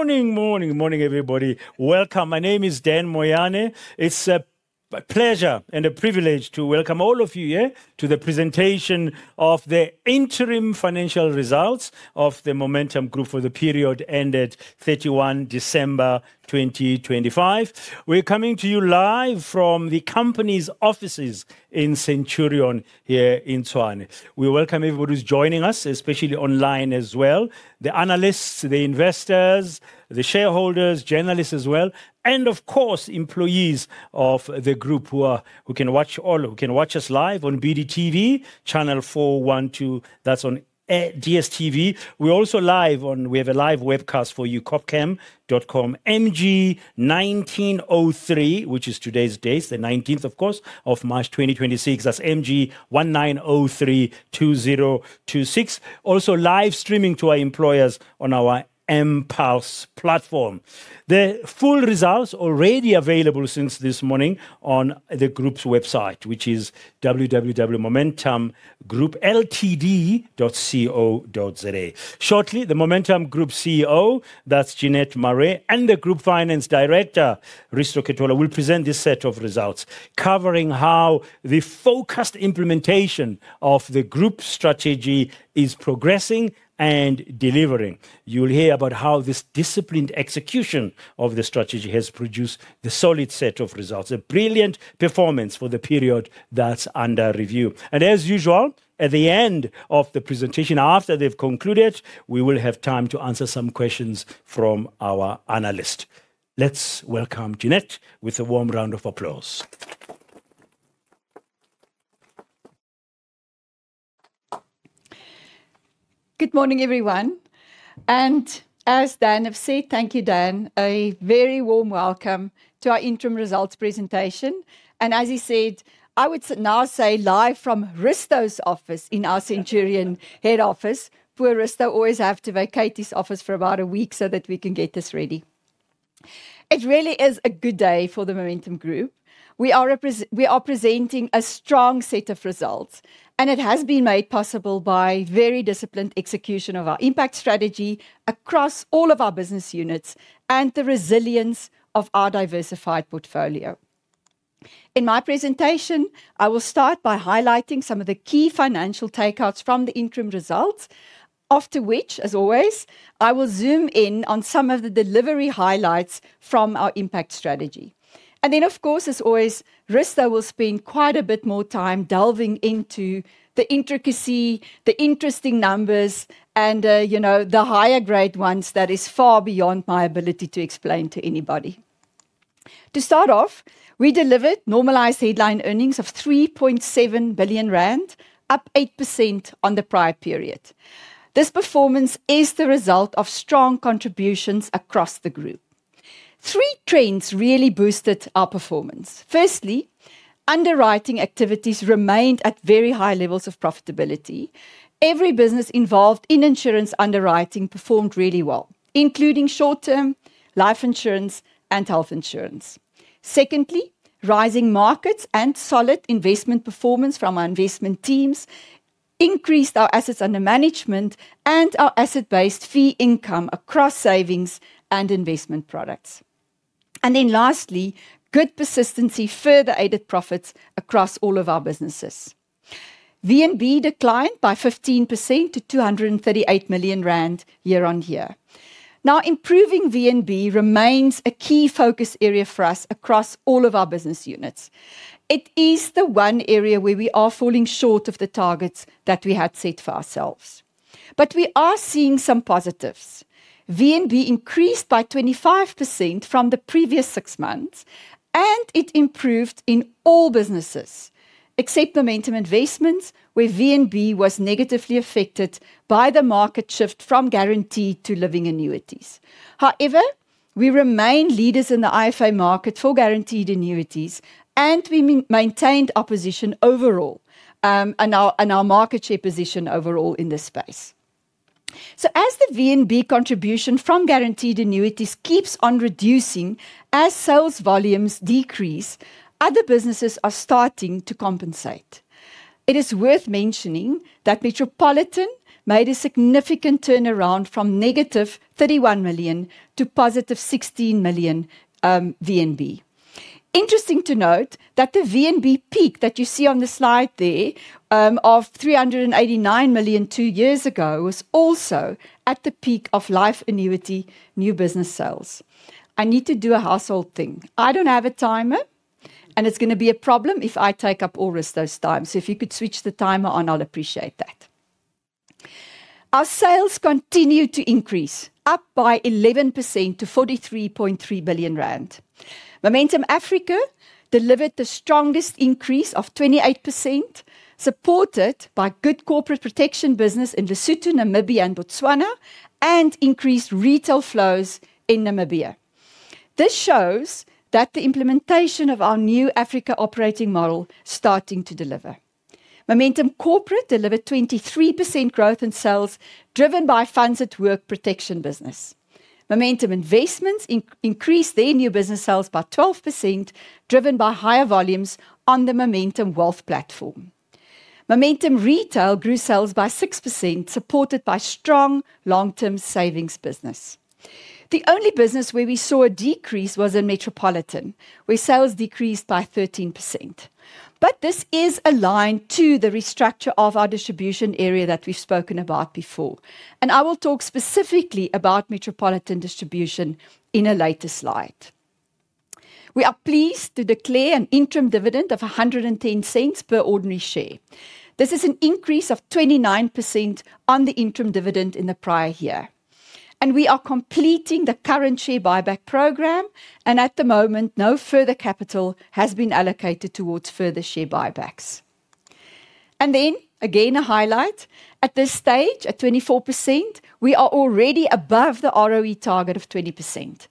Morning, everybody. Welcome. My name is Dan Moyane. It's a pleasure and a privilege to welcome all of you here to the presentation of the interim financial results of the Momentum Group for the period ended 31 December 2025. We're coming to you live from the company's offices in Centurion, here in Tshwane. We welcome everybody who's joining us, especially online as well. The analysts, the investors, the shareholders, journalists as well, and of course, employees of the group who can watch us live on BDtv, channel 412. That's on DStv. We're also live on. We have a live webcast for you, corpcam.com MG1903, which is today's date, the 19th, of course, of March 2026. That's MG19032026. Also live streaming to our employers on our mPulse platform. The full results already available since this morning on the group's website, which is www.momentumgroupltd.co.za. Shortly, the Momentum Group CEO, that's Jeanette Marais, and the Group Finance Director, Risto Ketola, will present this set of results covering how the focused implementation of the group strategy is progressing and delivering. You'll hear about how this disciplined execution of the strategy has produced the solid set of results, a brilliant performance for the period that's under review. As usual, at the end of the presentation, after they've concluded, we will have time to answer some questions from our analyst. Let's welcome Jeanette with a warm round of applause. Good morning, everyone. As Dan have said, thank you, Dan. A very warm welcome to our interim results presentation. As he said, I would now say live from Risto's office in our Centurion head office. Poor Risto always have to vacate his office for about a week so that we can get this ready. It really is a good day for the Momentum Group. We are presenting a strong set of results, and it has been made possible by very disciplined execution of our Impact Strategy across all of our business units and the resilience of our diversified portfolio. In my presentation, I will start by highlighting some of the key financial takeouts from the interim results. After which, as always, I will zoom in on some of the delivery highlights from our Impact Strategy. Of course, as always, Risto will spend quite a bit more time delving into the intricacy, the interesting numbers and, the higher grade ones that is far beyond my ability to explain to anybody. To start off, we delivered normalized headline earnings of 3.7 billion rand, up 8% on the prior period. This performance is the result of strong contributions across the group. Three trends really boosted our performance. Firstly, underwriting activities remained at very high levels of profitability. Every business involved in insurance underwriting performed really well, including short-term life insurance and health insurance. Secondly, rising markets and solid investment performance from our investment teams increased our assets under management and our asset-based fee income across savings and investment products. Lastly, good persistency further aided profits across all of our businesses. VNB declined by 15% to 238 million rand year-on-year. Now, improving VNB remains a key focus area for us across all of our business units. It is the one area where we are falling short of the targets that we had set for ourselves. We are seeing some positives. VNB increased by 25% from the previous six months, and it improved in all businesses except Momentum Investments, where VNB was negatively affected by the market shift from guaranteed to living annuities. However, we remain leaders in the IFA market for guaranteed annuities, and we maintained our position overall, and our market share position overall in this space. As the VNB contribution from guaranteed annuities keeps on reducing as sales volumes decrease, other businesses are starting to compensate. It is worth mentioning that Metropolitan made a significant turnaround from -31 million to 16 million VNB. Interesting to note that the VNB peak that you see on the slide there of 389 million two years ago was also at the peak of life annuity new business sales. I need to do a household thing. I don't have a timer, and it's gonna be a problem if I take up all Risto's time. So if you could switch the timer on, I'll appreciate that. Our sales continued to increase, up by 11% to 43.3 billion rand. Momentum Africa delivered the strongest increase of 28%, supported by good corporate protection business in Lesotho, Namibia and Botswana, and increased retail flows in Namibia. This shows that the implementation of our new Africa operating model starting to deliver. Momentum Corporate delivered 23% growth in sales, driven by FundsAtWork protection business. Momentum Investments increased their new business sales by 12%, driven by higher volumes on the Momentum Wealth platform. Momentum Retail grew sales by 6%, supported by strong long-term savings business. The only business where we saw a decrease was in Metropolitan, where sales decreased by 13%. This is aligned to the restructure of our distribution area that we've spoken about before. I will talk specifically about Metropolitan Distribution in a later slide. We are pleased to declare an interim dividend of 1.10 per ordinary share. This is an increase of 29% on the interim dividend in the prior year. We are completing the current share buyback program, and at the moment, no further capital has been allocated towards further share buybacks. Again, a highlight. At this stage, at 24%, we are already above the ROE target of 20%.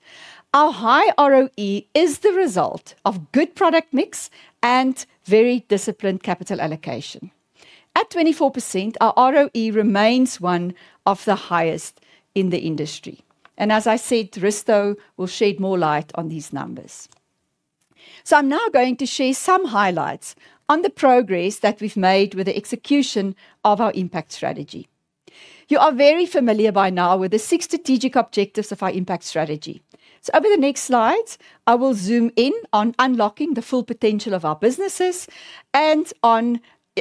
Our high ROE is the result of good product mix and very disciplined capital allocation. At 24%, our ROE remains one of the highest in the industry. As I said, Risto will shed more light on these numbers. I'm now going to share some highlights on the progress that we've made with the execution of our Impact Strategy. You are very familiar by now with the six strategic objectives of our Impact Strategy. Over the next slides, I will zoom in on unlocking the full potential of our businesses and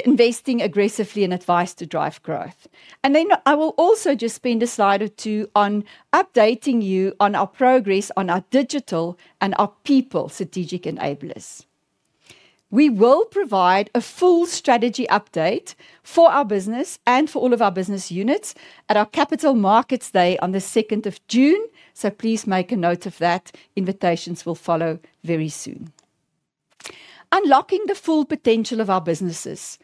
on investing aggressively in advice to drive growth. I will also just spend a slide or two on updating you on our progress on our digital and our people strategic enablers. We will provide a full strategy update for our business and for all of our business units at our Capital Markets Day on the second of June. Please make a note of that. Invitations will follow very soon. Unlocking the full potential of our businesses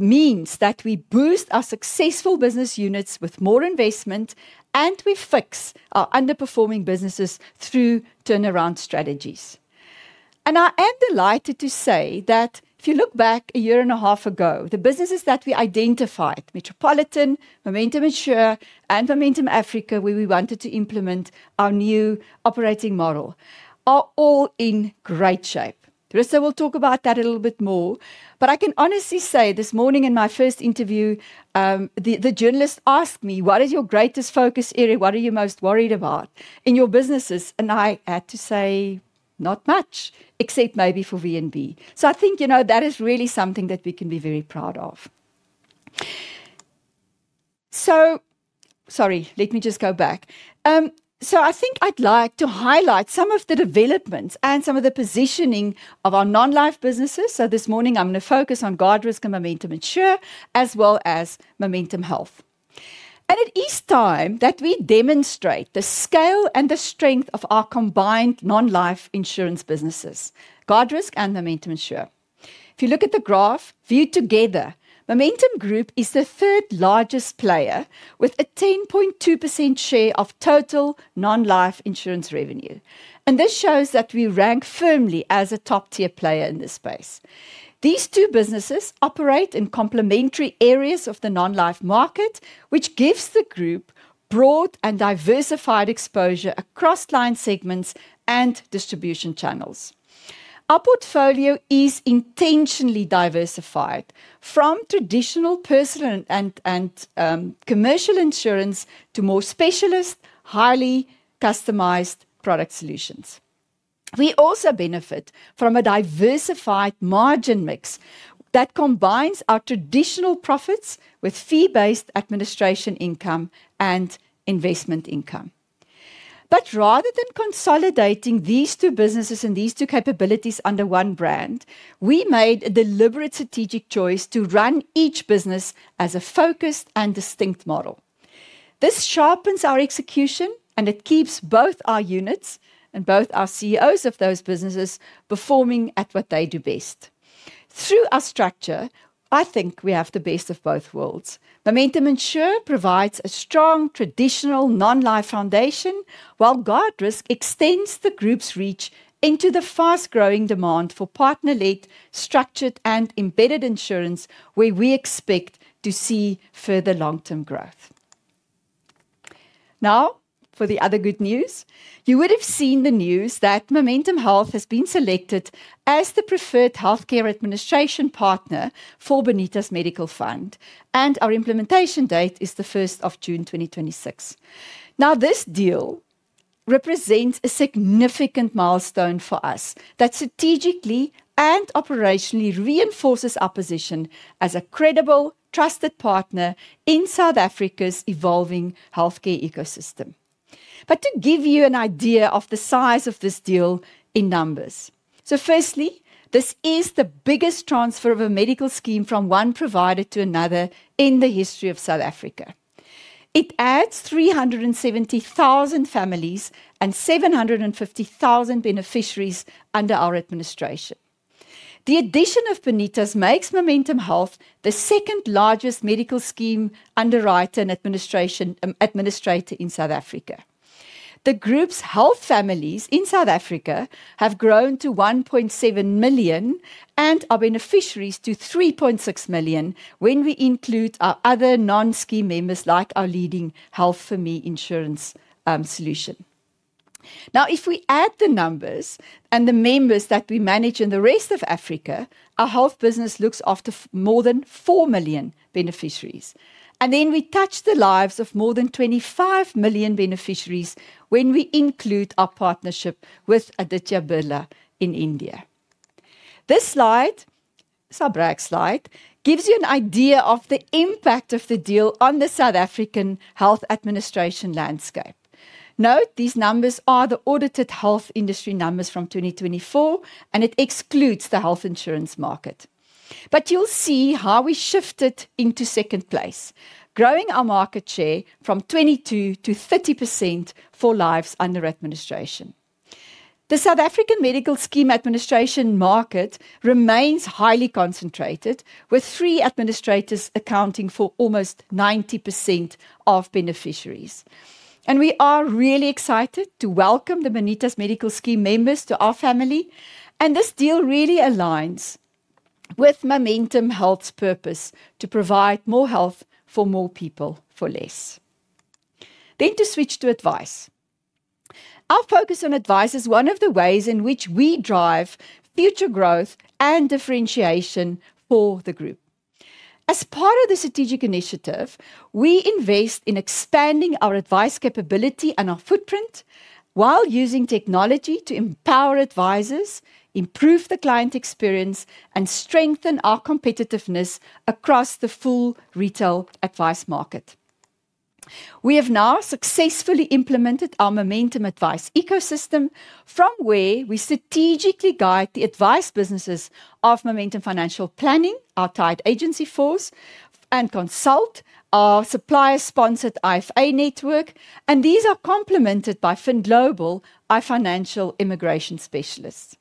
means that we boost our successful business units with more investment, and we fix our underperforming businesses through turnaround strategies. I am delighted to say that if you look back a year and a half ago, the businesses that we identified, Metropolitan, Momentum Insure, and Momentum Africa, where we wanted to implement our new operating model, are all in great shape. Risto will talk about that a little bit more. I can honestly say this morning in my first interview, the journalist asked me, "What is your greatest focus area? What are you most worried about in your businesses?" I had to say, "Not much, except maybe for VNB." I think, you know, that is really something that we can be very proud of. Sorry, let me just go back. I think I'd like to highlight some of the developments and some of the positioning of our non-life businesses. This morning I'm gonna focus on Guardrisk and Momentum Insure as well as Momentum Health. It is time that we demonstrate the scale and the strength of our combined non-life insurance businesses, Guardrisk and Momentum Insure. If you look at the graph, viewed together, Momentum Group is the third-largest player with a 10.2% share of total non-life insurance revenue. This shows that we rank firmly as a top-tier player in this space. These two businesses operate in complementary areas of the non-life market, which gives the group broad and diversified exposure across line segments and distribution channels. Our portfolio is intentionally diversified from traditional personal and commercial insurance to more specialist, highly customized product solutions. We also benefit from a diversified margin mix that combines our traditional profits with fee-based administration income and investment income. Rather than consolidating these two businesses and these two capabilities under one brand, we made a deliberate strategic choice to run each business as a focused and distinct model. This sharpens our execution, and it keeps both our units and both our CEOs of those businesses performing at what they do best. Through our structure, I think we have the best of both worlds. Momentum Insure provides a strong traditional non-life foundation, while Guardrisk extends the group's reach into the fast-growing demand for partner-led, structured, and embedded insurance, where we expect to see further long-term growth. Now, for the other good news. You would have seen the news that Momentum Health has been selected as the preferred healthcare administration partner for Bonitas Medical Fund, and our implementation date is June 1, 2026. Now, this deal represents a significant milestone for us that strategically and operationally reinforces our position as a credible, trusted partner in South Africa's evolving healthcare ecosystem. To give you an idea of the size of this deal in numbers. Firstly, this is the biggest transfer of a medical scheme from one provider to another in the history of South Africa. It adds 370,000 families and 750,000 beneficiaries under our administration. The addition of Bonitas makes Momentum Health the second-largest medical scheme underwriter and administrator in South Africa. The group's health families in South Africa have grown to 1.7 million and our beneficiaries to 3.6 million when we include our other non-scheme members like our leading Health4Me insurance solution. Now, if we add the numbers and the members that we manage in the rest of Africa, our health business looks after more than four million beneficiaries. We touch the lives of more than 25 million beneficiaries when we include our partnership with Aditya Birla in India. This slide, it's a brag slide, gives you an idea of the impact of the deal on the South African health administration landscape. Note, these numbers are the audited health industry numbers from 2024, and it excludes the health insurance market. You'll see how we shifted into second place, growing our market share from 22%-30% for lives under administration. The South African medical scheme administration market remains highly concentrated, with three administrators accounting for almost 90% of beneficiaries. We are really excited to welcome the Bonitas Medical Fund members to our family. This deal really aligns with Momentum Health's purpose to provide more health for more people for less. To switch to Advise. Our focus on Advise is one of the ways in which we drive future growth and differentiation for the group. As part of the strategic initiative, we invest in expanding our advice capability and our footprint while using technology to empower advisors, improve the client experience, and strengthen our competitiveness across the full retail advice market. We have now successfully implemented our Momentum Advice ecosystem from where we strategically guide the advice businesses of Momentum Financial Planning, our tied agency force, and Momentum Consult, our supplier-sponsored IFA network, and these are complemented by Find Global, our financial immigration specialists.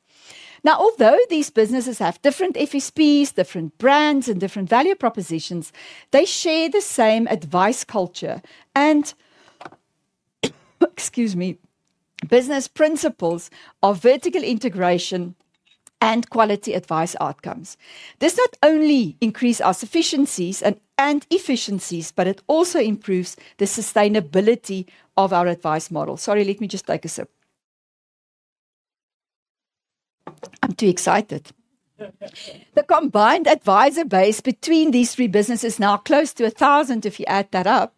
Now, although these businesses have different FSPs, different brands, and different value propositions, they share the same advice culture and excuse me, business principles of vertical integration and quality advice outcomes. This not only increase our sufficiencies and efficiencies, but it also improves the sustainability of our advice model. Sorry, let me just take a sip. I'm too excited. The combined advisor base between these three businesses is now close to 1,000 if you add that up.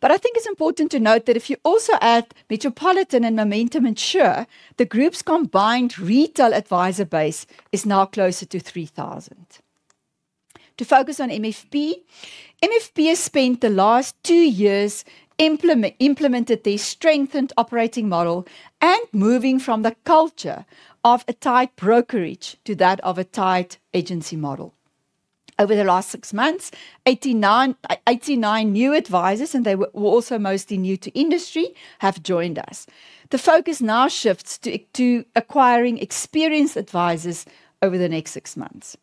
I think it's important to note that if you also add Metropolitan and Momentum Insure, the group's combined retail advisor base is now closer to 3,000. To focus on MFP. MFP has spent the last two years implemented their strengthened operating model and moving from the culture of a tied brokerage to that of a tied agency model. Over the last six months, 89 new advisors, and they were also mostly new to industry, have joined us. The focus now shifts to acquiring experienced advisors over the next six months.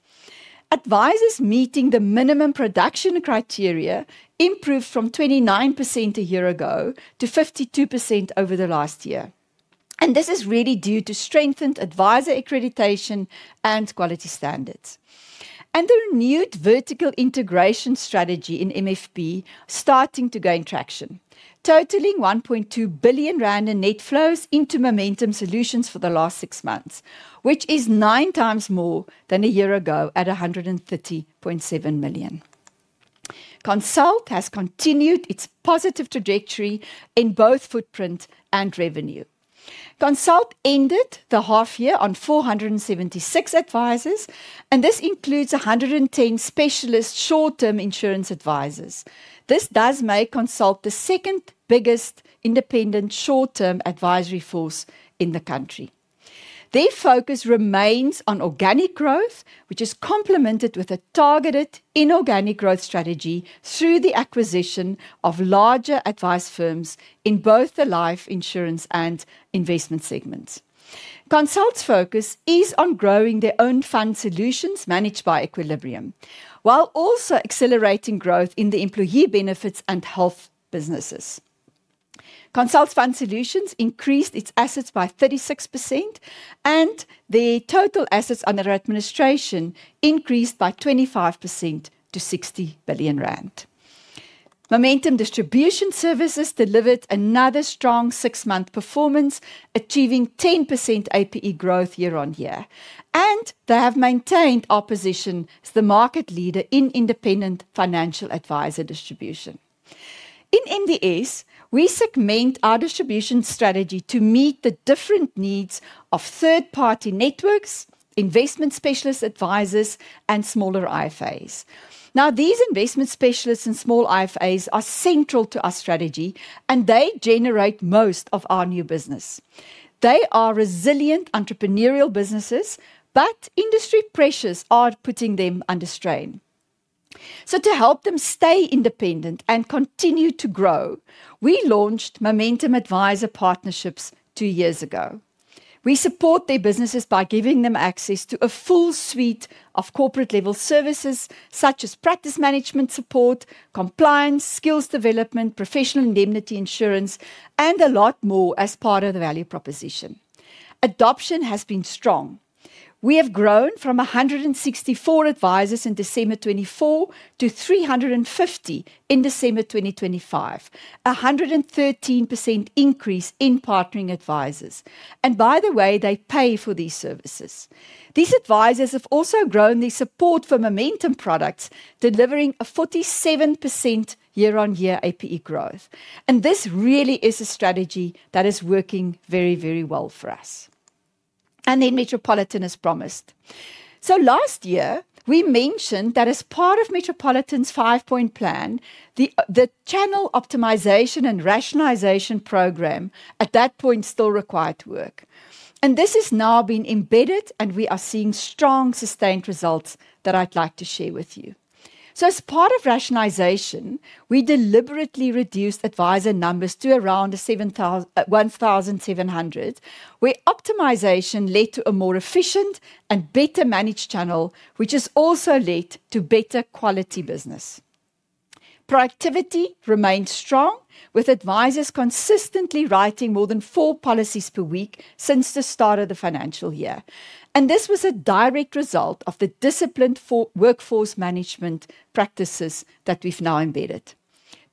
Advisors meeting the minimum production criteria improved from 29% a year ago to 52% over the last year. This is really due to strengthened advisor accreditation and quality standards. The renewed vertical integration strategy in MFP starting to gain traction, totaling 1.2 billion rand in net flows into Momentum solutions for the last six months, which is nine times more than a year ago at 130.7 million. Consult has continued its positive trajectory in both footprint and revenue. Consult ended the half year on 476 advisors, and this includes 110 specialist short-term insurance advisors. This does make Consult the second biggest independent short-term advisory force in the country. Their focus remains on organic growth, which is complemented with a targeted inorganic growth strategy through the acquisition of larger advice firms in both the life insurance and investment segments. Consult's focus is on growing their own fund solutions managed by Equilibrium, while also accelerating growth in the employee benefits and health businesses. Consult's fund solutions increased its assets by 36%, and their total assets under administration increased by 25% to 60 billion rand. Momentum Distribution Services delivered another strong six-month performance, achieving 10% APE growth year-on-year. They have maintained our position as the market leader in independent financial advisor distribution. In NDS, we segment our distribution strategy to meet the different needs of third-party networks, investment specialist advisors and smaller IFAs. Now, these investment specialists and small IFAs are central to our strategy, and they generate most of our new business. They are resilient entrepreneurial businesses, but industry pressures are putting them under strain. To help them stay independent and continue to grow, we launched Momentum Advisory Partners two years ago. We support their businesses by giving them access to a full suite of corporate-level services such as practice management support, compliance, skills development, professional indemnity insurance, and a lot more as part of the value proposition. Adoption has been strong. We have grown from 164 advisors in December 2024 to 350 in December 2025. 113% increase in partnering advisors. By the way, they pay for these services. These advisors have also grown their support for Momentum products, delivering a 47% year-on-year APE growth. This really is a strategy that is working very, very well for us. Then Metropolitan as promised. Last year we mentioned that as part of Metropolitan's five-point plan, the channel optimization and rationalization program at that point still required work. This has now been embedded, and we are seeing strong, sustained results that I'd like to share with you. As part of rationalization, we deliberately reduced advisor numbers to around 1,700, where optimization led to a more efficient and better managed channel, which has also led to better quality business. Productivity remained strong, with advisors consistently writing more than four policies per week since the start of the financial year. This was a direct result of the disciplined workforce management practices that we've now embedded.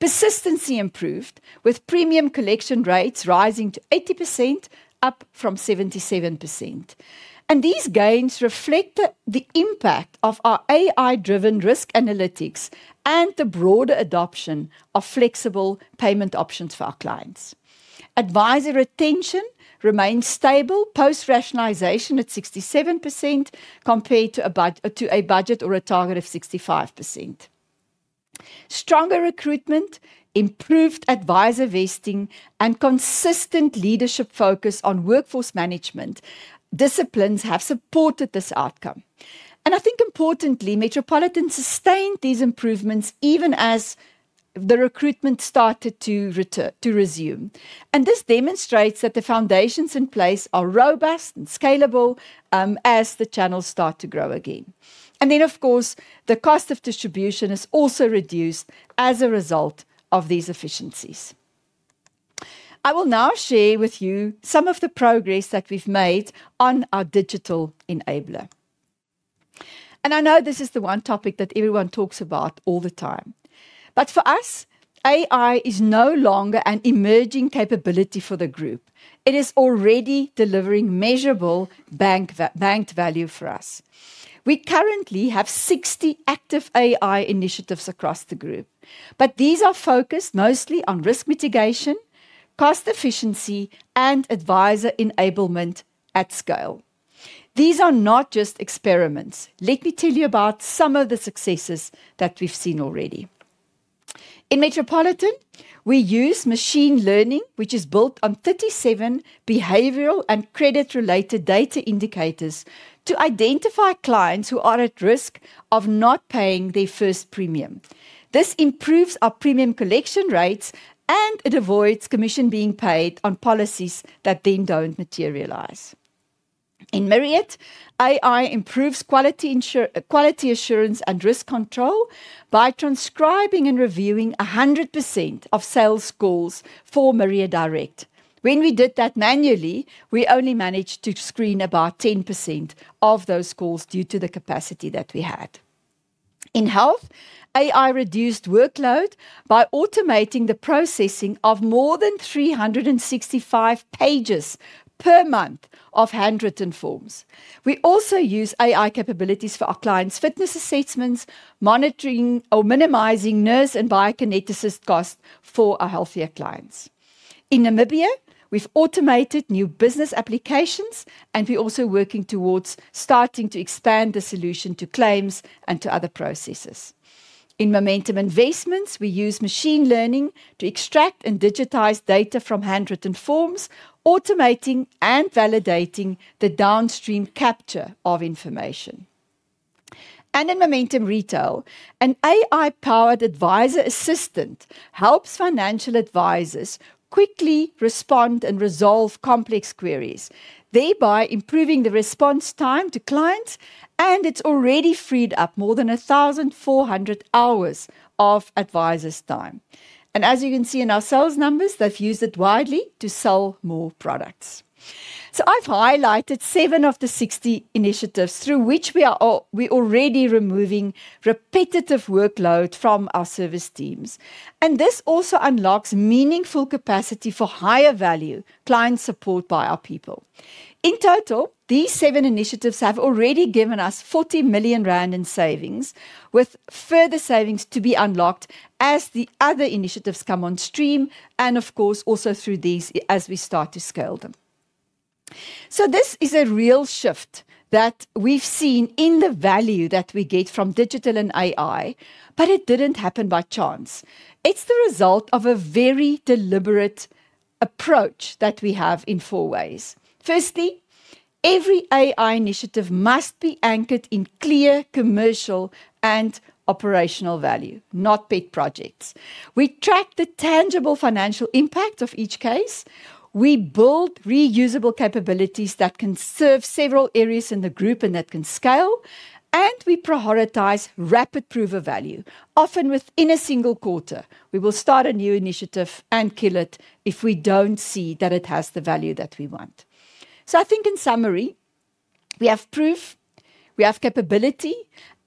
Persistency improved, with premium collection rates rising to 80%, up from 77%. These gains reflect the impact of our AI-driven risk analytics and the broader adoption of flexible payment options for our clients. Advisor retention remained stable post-rationalization at 67%, compared to a budget or a target of 65%. Stronger recruitment, improved advisor vesting, and consistent leadership focus on workforce management disciplines have supported this outcome. I think importantly, Metropolitan sustained these improvements even as the recruitment started to resume. This demonstrates that the foundations in place are robust and scalable, as the channels start to grow again. Then of course, the cost of distribution is also reduced as a result of these efficiencies. I will now share with you some of the progress that we've made on our digital enabler. I know this is the one topic that everyone talks about all the time. For us, AI is no longer an emerging capability for the group. It is already delivering measurable banked value for us. We currently have 60 active AI initiatives across the group, but these are focused mostly on risk mitigation, cost efficiency, and advisor enablement at scale. These are not just experiments. Let me tell you about some of the successes that we've seen already. In Metropolitan, we use machine learning, which is built on 37 behavioral and credit-related data indicators, to identify clients who are at risk of not paying their first premium. This improves our premium collection rates, and it avoids commission being paid on policies that then don't materialize. In Medscheme, AI improves quality assurance and risk control by transcribing and reviewing 100% of sales calls for Medscheme Direct. When we did that manually, we only managed to screen about 10% of those calls due to the capacity that we had. In health, AI reduced workload by automating the processing of more than 365 pages per month of handwritten forms. We also use AI capabilities for our clients' fitness assessments, monitoring or minimizing nurse and biokineticist cost for our healthier clients. In Namibia, we've automated new business applications, and we're also working towards starting to expand the solution to claims and to other processes. In Momentum Investments, we use machine learning to extract and digitize data from handwritten forms, automating and validating the downstream capture of information. In Momentum Retail, an AI-powered advisor assistant helps financial advisors quickly respond and resolve complex queries, thereby improving the response time to clients, and it's already freed up more than 1,400 hours of advisors' time. As you can see in our sales numbers, they've used it widely to sell more products. I've highlighted seven of the 60 initiatives through which we're already removing repetitive workload from our service teams. This also unlocks meaningful capacity for higher value client support by our people. In total, these seven initiatives have already given us 40 million rand in savings, with further savings to be unlocked as the other initiatives come on stream and of course, also through these as we start to scale them. This is a real shift that we've seen in the value that we get from digital and AI, but it didn't happen by chance. It's the result of a very deliberate approach that we have in four ways. Firstly, every AI initiative must be anchored in clear commercial and operational value, not pet projects. We track the tangible financial impact of each case. We build reusable capabilities that can serve several areas in the group and that can scale, and we prioritize rapid proof of value. Often within a single quarter, we will start a new initiative and kill it if we don't see that it has the value that we want. I think in summary, we have proof, we have capability,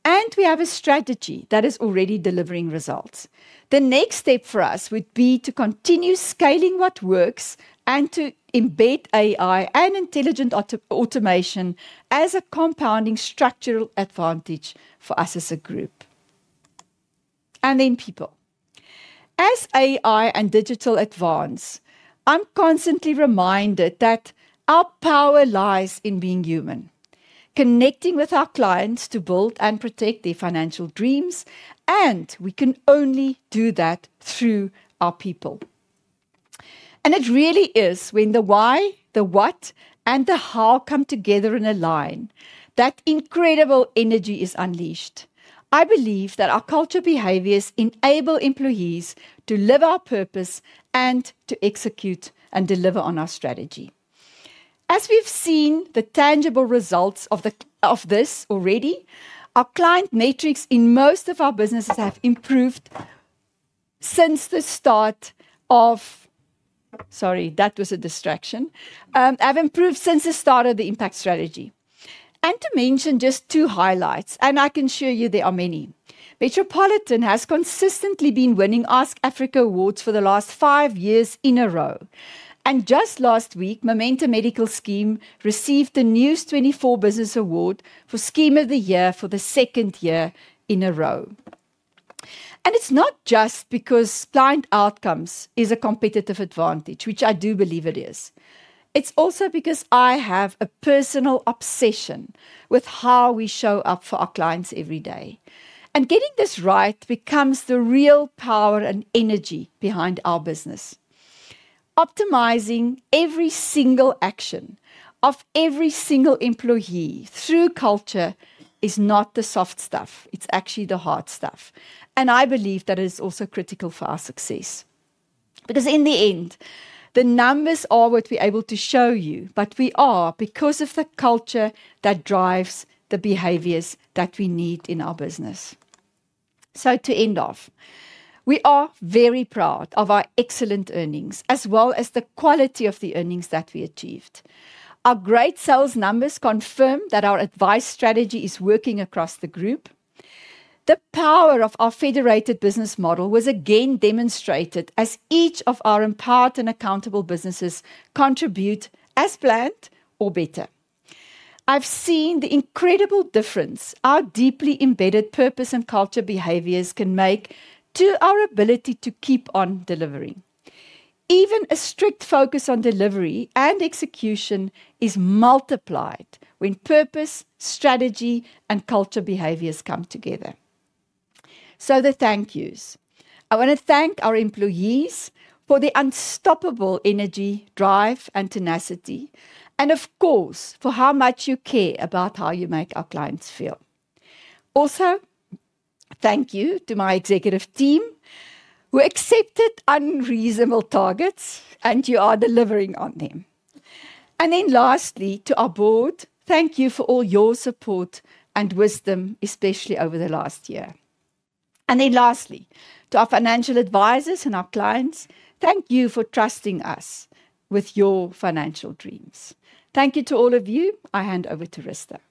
and we have a strategy that is already delivering results. The next step for us would be to continue scaling what works and to embed AI and intelligent auto-automation as a compounding structural advantage for us as a group. Then people. As AI and digital advance, I'm constantly reminded that our power lies in being human, connecting with our clients to build and protect their financial dreams, and we can only do that through our people. It really is when the why, the what, and the how come together and align that incredible energy is unleashed. I believe that our culture behaviors enable employees to live our purpose and to execute and deliver on our strategy. As we've seen the tangible results of this already, our client metrics in most of our businesses have improved since the start of the Impact Strategy. To mention just two highlights, and I can assure you there are many. Metropolitan has consistently been winning Ask Afrika awards for the last five years in a row. Just last week, Momentum Medical Scheme received the News24 Business Award for Scheme of the Year for the second year in a row. It's not just because client outcomes is a competitive advantage, which I do believe it is. It's also because I have a personal obsession with how we show up for our clients every day. Getting this right becomes the real power and energy behind our business. Optimizing every single action of every single employee through culture is not the soft stuff. It's actually the hard stuff. I believe that is also critical for our success. Because in the end, the numbers are what we're able to show you, but we are because of the culture that drives the behaviors that we need in our business. To end off, we are very proud of our excellent earnings as well as the quality of the earnings that we achieved. Our great sales numbers confirm that our advice strategy is working across the group. The power of our federated business model was again demonstrated as each of our empowered and accountable businesses contribute as planned or better. I've seen the incredible difference our deeply embedded purpose and culture behaviors can make to our ability to keep on delivering. Even a strict focus on delivery and execution is multiplied when purpose, strategy, and culture behaviors come together. The thank yous. I wanna thank our employees for the unstoppable energy, drive, and tenacity, and of course, for how much you care about how you make our clients feel. Also, thank you to my executive team who accepted unreasonable targets, and you are delivering on them. Then lastly, to our board, thank you for all your support and wisdom, especially over the last year. Then lastly, to our financial advisors and our clients, thank you for trusting us with your financial dreams. Thank you to all of you. I hand over to Risto. Is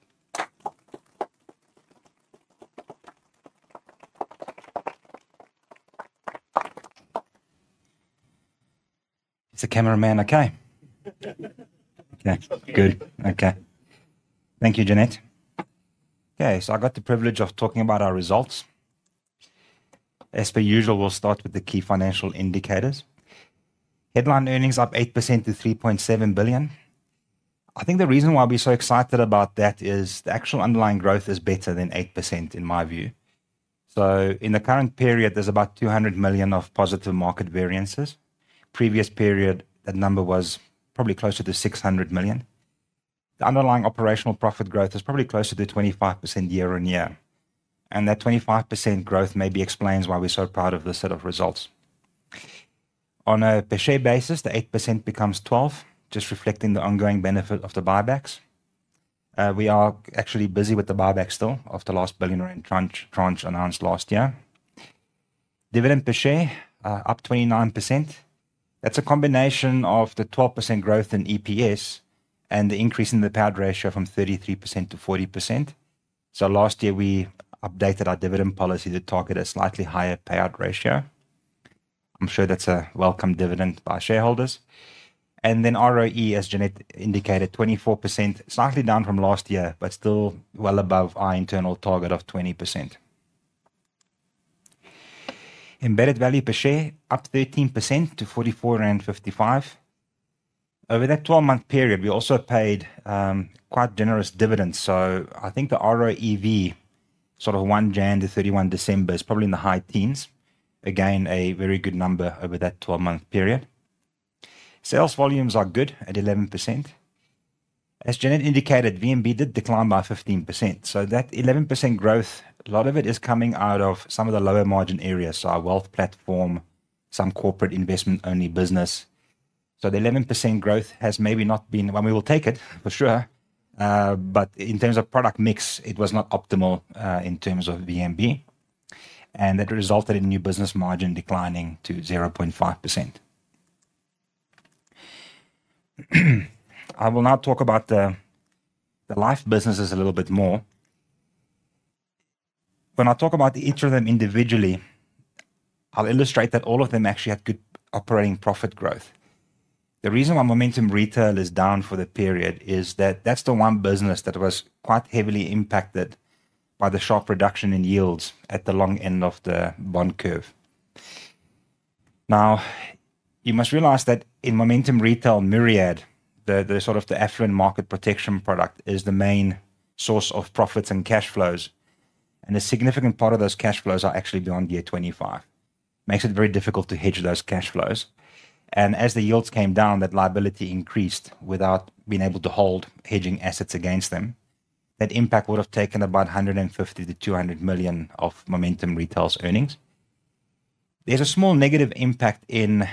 the cameraman okay? Okay. Good. Okay. Thank you, Jeannette. Okay, so I got the privilege of talking about our results. As per usual, we'll start with the key financial indicators. Headline earnings up 8% to 3.7 billion. I think the reason why we're so excited about that is the actual underlying growth is better than 8%, in my view. So in the current period, there's about 200 million of positive market variances. Previous period, that number was probably closer to 600 million. The underlying operational profit growth is probably closer to 25% year-on-year. That 25% growth maybe explains why we're so proud of this set of results. On a per share basis, the 8% becomes 12, just reflecting the ongoing benefit of the buybacks. We are actually busy with the buyback still of the last 1 billion rand tranche announced last year. Dividend per share up 29%. That's a combination of the 12% growth in EPS and the increase in the payout ratio from 33% to 40%. Last year we updated our dividend policy to target a slightly higher payout ratio. I'm sure that's a welcome dividend by shareholders. Then ROE, as Jeannette indicated, 24%, slightly down from last year, but still well above our internal target of 20%. Embedded value per share up 13% to 44.55. Over that 12-month period, we also paid quite generous dividends. I think the ROEV, sort of from January 1 to December 31, is probably in the high teens. Again, a very good number over that 12-month period. Sales volumes are good at 11%. As Jeannette indicated, VNB did decline by 15%, so that 11% growth, a lot of it is coming out of some of the lower margin areas, so our wealth platform, some corporate investment-only business. The 11% growth has maybe not been. Well, we will take it, for sure. But in terms of product mix, it was not optimal, in terms of VNB. That resulted in new business margin declining to 0.5%. I will now talk about the life businesses a little bit more. When I talk about each of them individually, I'll illustrate that all of them actually had good operating profit growth. The reason why Momentum Retail is down for the period is that that's the one business that was quite heavily impacted by the sharp reduction in yields at the long end of the bond curve. Now, you must realize that in Momentum Retail, Myriad, the sort of the affluent market protection product, is the main source of profits and cash flows. A significant part of those cash flows are actually beyond year 25. Makes it very difficult to hedge those cash flows. As the yields came down, that liability increased without being able to hold hedging assets against them. That impact would have taken about 150 million-200 million of Momentum Retail's earnings. There's a small negative impact in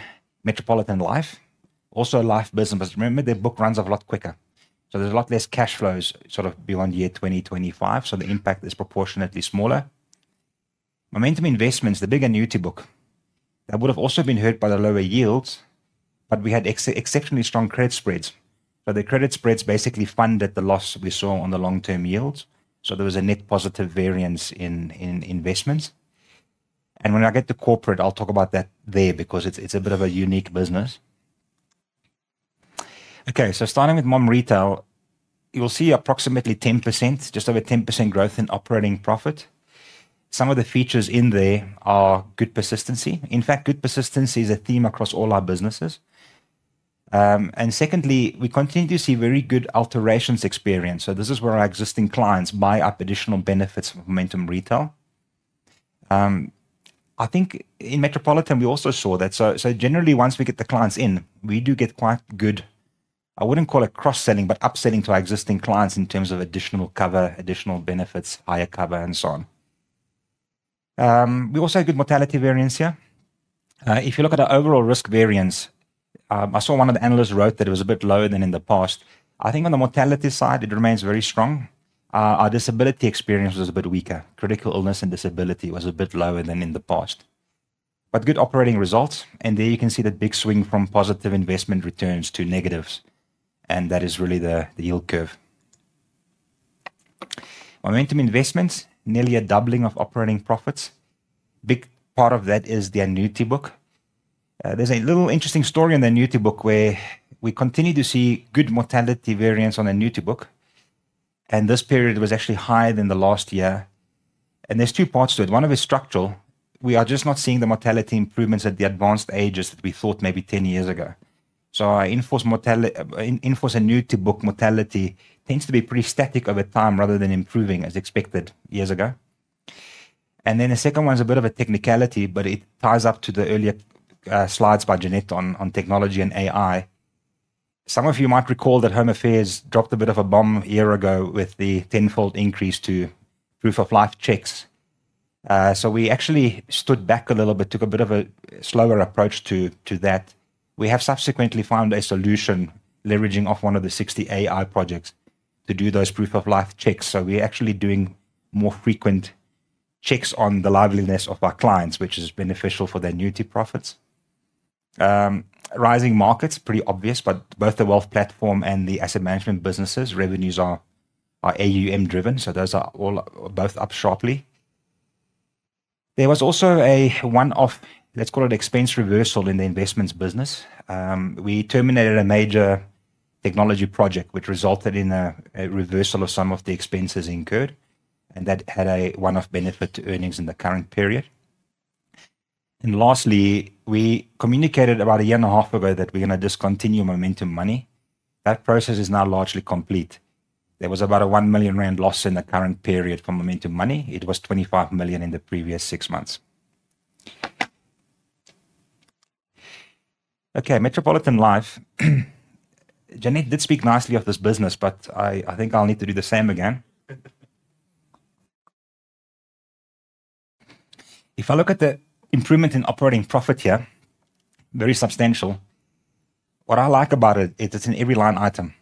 Metropolitan Life, also a life business. Remember, their book runs off a lot quicker, so there's a lot less cash flows sort of beyond year 2025, so the impact is proportionately smaller. Momentum Investments, the big annuity book, that would have also been hurt by the lower yields, but we had exceptionally strong credit spreads. The credit spreads basically funded the loss we saw on the long-term yields, so there was a net positive variance in investments. When I get to corporate, I'll talk about that there because it's a bit of a unique business. Okay, starting with Momentum Retail, you'll see approximately 10%, just over 10% growth in operating profit. Some of the features in there are good persistency. In fact, good persistency is a theme across all our businesses. Secondly, we continue to see very good alterations experience. This is where our existing clients buy up additional benefits from Momentum Retail. I think in Metropolitan, we also saw that. Generally, once we get the clients in, we do get quite good. I wouldn't call it cross-selling, but upselling to our existing clients in terms of additional cover, additional benefits, higher cover, and so on. We also have good mortality variance here. If you look at our overall risk variance, I saw one of the analysts wrote that it was a bit lower than in the past. I think on the mortality side, it remains very strong. Our disability experience was a bit weaker. Critical illness and disability was a bit lower than in the past. Good operating results. There you can see the big swing from positive investment returns to negatives, and that is really the yield curve. Momentum Investments, nearly a doubling of operating profits. Big part of that is the annuity book. There's a little interesting story in the annuity book where we continue to see good mortality variance on annuity book, and this period was actually higher than the last year. There's two parts to it. One of it is structural. We are just not seeing the mortality improvements at the advanced ages that we thought maybe 10 years ago. Our in-force annuity book mortality tends to be pretty static over time rather than improving as expected years ago. The second one is a bit of a technicality, but it ties up to the earlier slides by Jeannette on technology and AI. Some of you might recall that Home Affairs dropped a bit of a bomb a year ago with the tenfold increase to proof of life checks. We actually stood back a little bit, took a bit of a slower approach to that. We have subsequently found a solution leveraging off one of the 60 AI projects to do those proof of life checks. We're actually doing more frequent checks on the liveliness of our clients, which is beneficial for the annuity profits. Rising markets, pretty obvious, but both the wealth platform and the asset management businesses revenues are AUM-driven, so those are all both up sharply. There was also a one-off, let's call it expense reversal in the investments business. We terminated a major technology project which resulted in a reversal of some of the expenses incurred, and that had a one-off benefit to earnings in the current period. Lastly, we communicated about a year and a half ago that we're gonna discontinue Momentum Money. That process is now largely complete. There was about a 1 million rand loss in the current period for Momentum Money. It was 25 million in the previous six months. Okay, Metropolitan Life. Jeannette did speak nicely of this business, but I think I'll need to do the same again. If I look at the improvement in operating profit here, very substantial. What I like about it is it's in every line item.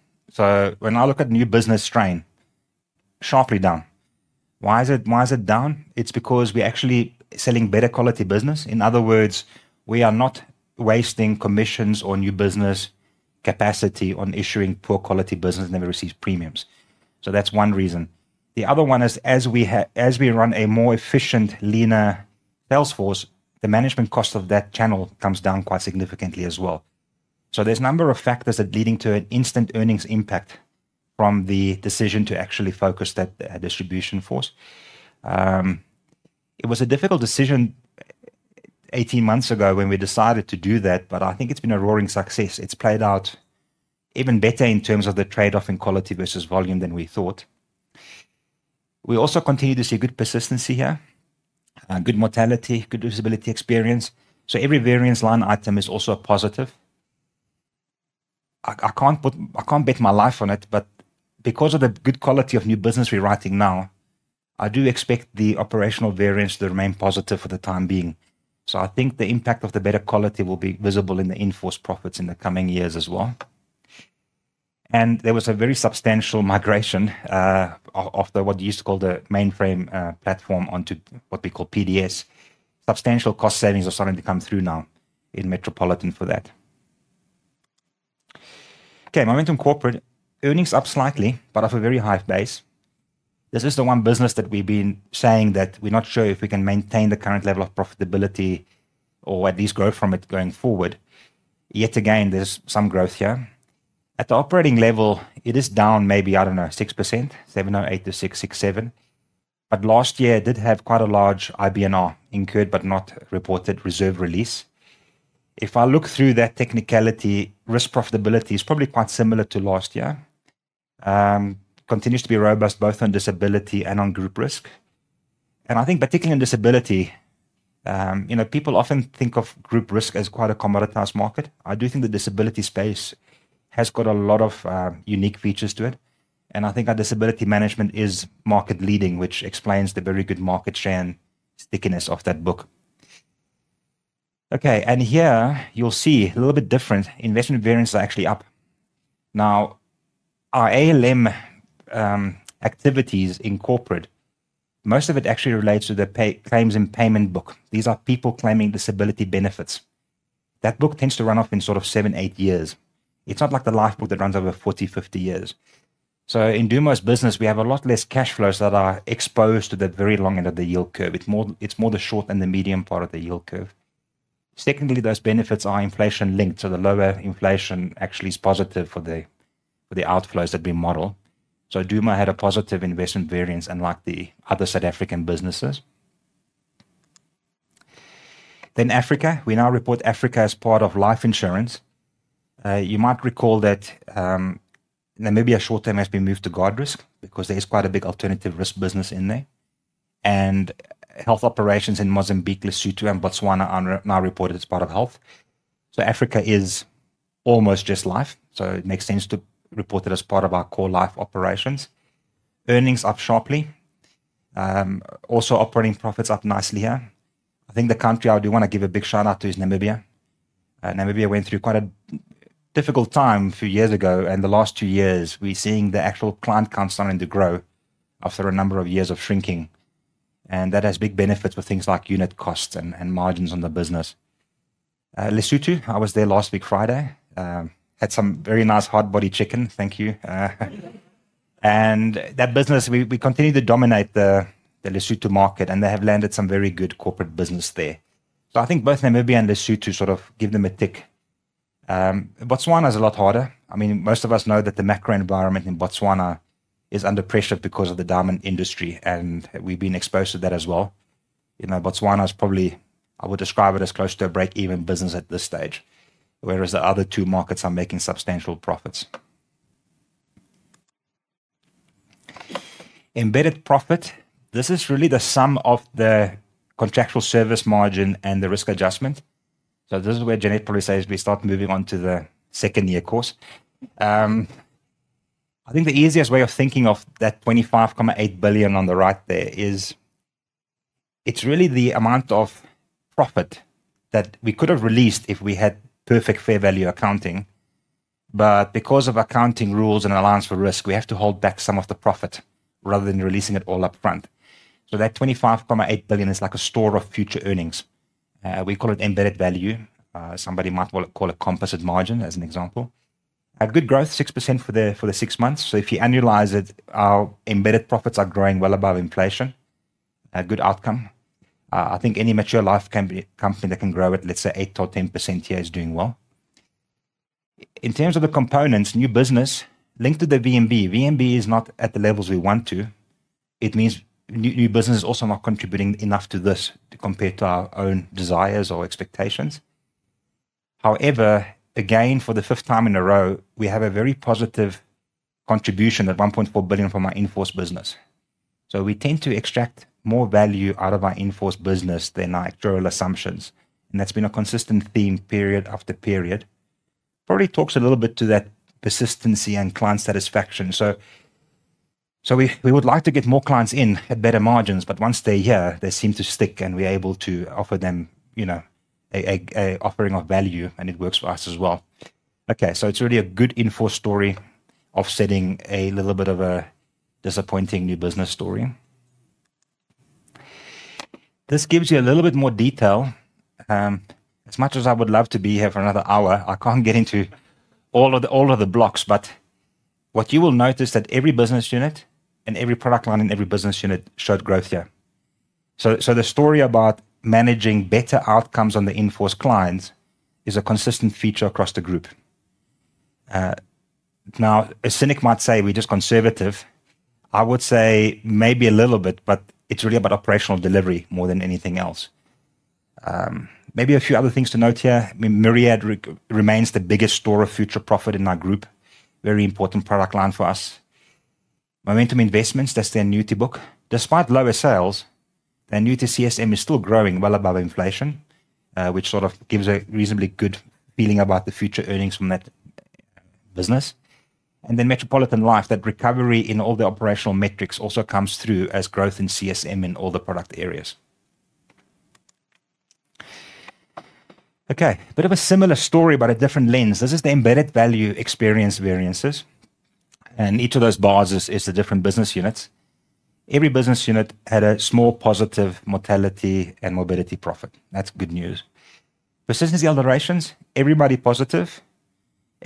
When I look at new business strain, sharply down. Why is it down? It's because we're actually selling better quality business. In other words, we are not wasting commissions or new business capacity on issuing poor quality business that never receives premiums. That's one reason. The other one is, as we run a more efficient, leaner sales force, the management cost of that channel comes down quite significantly as well. There's a number of factors that are leading to an instant earnings impact from the decision to actually focus that distribution force. It was a difficult decision 18 months ago when we decided to do that, but I think it's been a roaring success. It's played out even better in terms of the trade-off in quality versus volume than we thought. We also continue to see good persistency here, good mortality, good disability experience. Every variance line item is also a positive. I can't put... I can't bet my life on it, but because of the good quality of new business we're writing now, I do expect the operational variance to remain positive for the time being. I think the impact of the better quality will be visible in the in-force profits in the coming years as well. There was a very substantial migration of what you used to call the mainframe platform onto what we call PDS. Substantial cost savings are starting to come through now in Metropolitan for that. Okay, Momentum Corporate. Earnings up slightly, but off a very high base. This is the one business that we've been saying that we're not sure if we can maintain the current level of profitability or at least grow from it going forward. Yet again, there's some growth here. At the operating level, it is down maybe, I don't know, 6%, 7.08%-6.67%. Last year did have quite a large IBNR, Incurred But Not Reported reserve release. If I look through that technicality, risk profitability is probably quite similar to last year. Continues to be robust both on disability and on group risk. I think particularly in disability, you know, people often think of group risk as quite a commoditized market. I do think the disability space has got a lot of unique features to it, and I think our disability management is market-leading, which explains the very good market share and stickiness of that book. Okay, here you'll see a little bit different. Investment variants are actually up. Our ALM activities in corporate, most of it actually relates to the claims and payment book. These are people claiming disability benefits. That book tends to run off in sort of seven, eight years. It's not like the life book that runs over 40, 50 years. In Duma's business, we have a lot less cash flows that are exposed to that very long end of the yield curve. It's more the short than the medium part of the yield curve. Secondly, those benefits are inflation-linked, so the lower inflation actually is positive for the outflows that we model. Duma had a positive investment variance, unlike the other South African businesses. Africa. We now report Africa as part of life insurance. You might recall that, Namibia short-term has been moved to Guardrisk because there is quite a big alternative risk business in there. Health operations in Mozambique, Lesotho, and Botswana are now reported as part of health. Africa is almost just life, so it makes sense to report it as part of our core life operations. Earnings up sharply. Also operating profits up nicely here. I think the country I do wanna give a big shout-out to is Namibia. Namibia went through quite a difficult time a few years ago, and the last two years we're seeing the actual client count starting to grow after a number of years of shrinking. That has big benefits for things like unit costs and margins on the business. Lesotho, I was there last week Friday. Had some very nice hot body chicken. Thank you. That business, we continue to dominate the Lesotho market, and they have landed some very good corporate business there. I think both Namibia and Lesotho sort of give them a tick. Botswana is a lot harder. I mean, most of us know that the macro environment in Botswana is under pressure because of the diamond industry, and we've been exposed to that as well. You know, I would describe Botswana as probably close to a break-even business at this stage, whereas the other two markets are making substantial profits. Embedded profit. This is really the sum of the contractual service margin and the risk adjustment. This is where Jeannette probably says we start moving on to the second-year course. I think the easiest way of thinking of that 25.8 billion on the right there is it's really the amount of profit that we could have released if we had perfect fair value accounting. Because of accounting rules and allowance for risk, we have to hold back some of the profit rather than releasing it all up front. That 25.8 billion is like a store of future earnings. We call it embedded value. Somebody might call it composite margin, as an example. A good growth, 6% for the six months. If you annualize it, our embedded profits are growing well above inflation. A good outcome. I think any mature life company that can grow at, let's say, 8% or 10% here is doing well. In terms of the components, new business linked to the VNB, which is not at the levels we want. It means new business is also not contributing enough to this compared to our own desires or expectations. However, again, for the fifth time in a row, we have a very positive contribution of 1.4 billion from our in-force business. We tend to extract more value out of our in-force business than initial assumptions, and that's been a consistent theme period after period. Probably talks a little bit to that persistency and client satisfaction. We would like to get more clients in at better margins, but once they're here, they seem to stick, and we're able to offer them, you know, an offering of value, and it works for us as well. Okay, it's really a good in-force story offsetting a little bit of a disappointing new business story. This gives you a little bit more detail. As much as I would love to be here for another hour, I can't get into all of the blocks. What you will notice that every business unit and every product line in every business unit showed growth here. The story about managing better outcomes on the in-force clients is a consistent feature across the group. Now, a cynic might say we're just conservative. I would say maybe a little bit, but it's really about operational delivery more than anything else. Maybe a few other things to note here. I mean, Myriad remains the biggest store of future profit in our group. Very important product line for us. Momentum Investments, that's their annuity book. Despite lower sales, their annuity CSM is still growing well above inflation, which sort of gives a reasonably good feeling about the future earnings from that business. Metropolitan Life, that recovery in all the operational metrics also comes through as growth in CSM in all the product areas. Bit of a similar story, but a different lens. This is the embedded value experience variances. Each of those bars is a different business unit. Every business unit had a small positive mortality and morbidity profit. That's good news. Persistence and alterations, everybody positive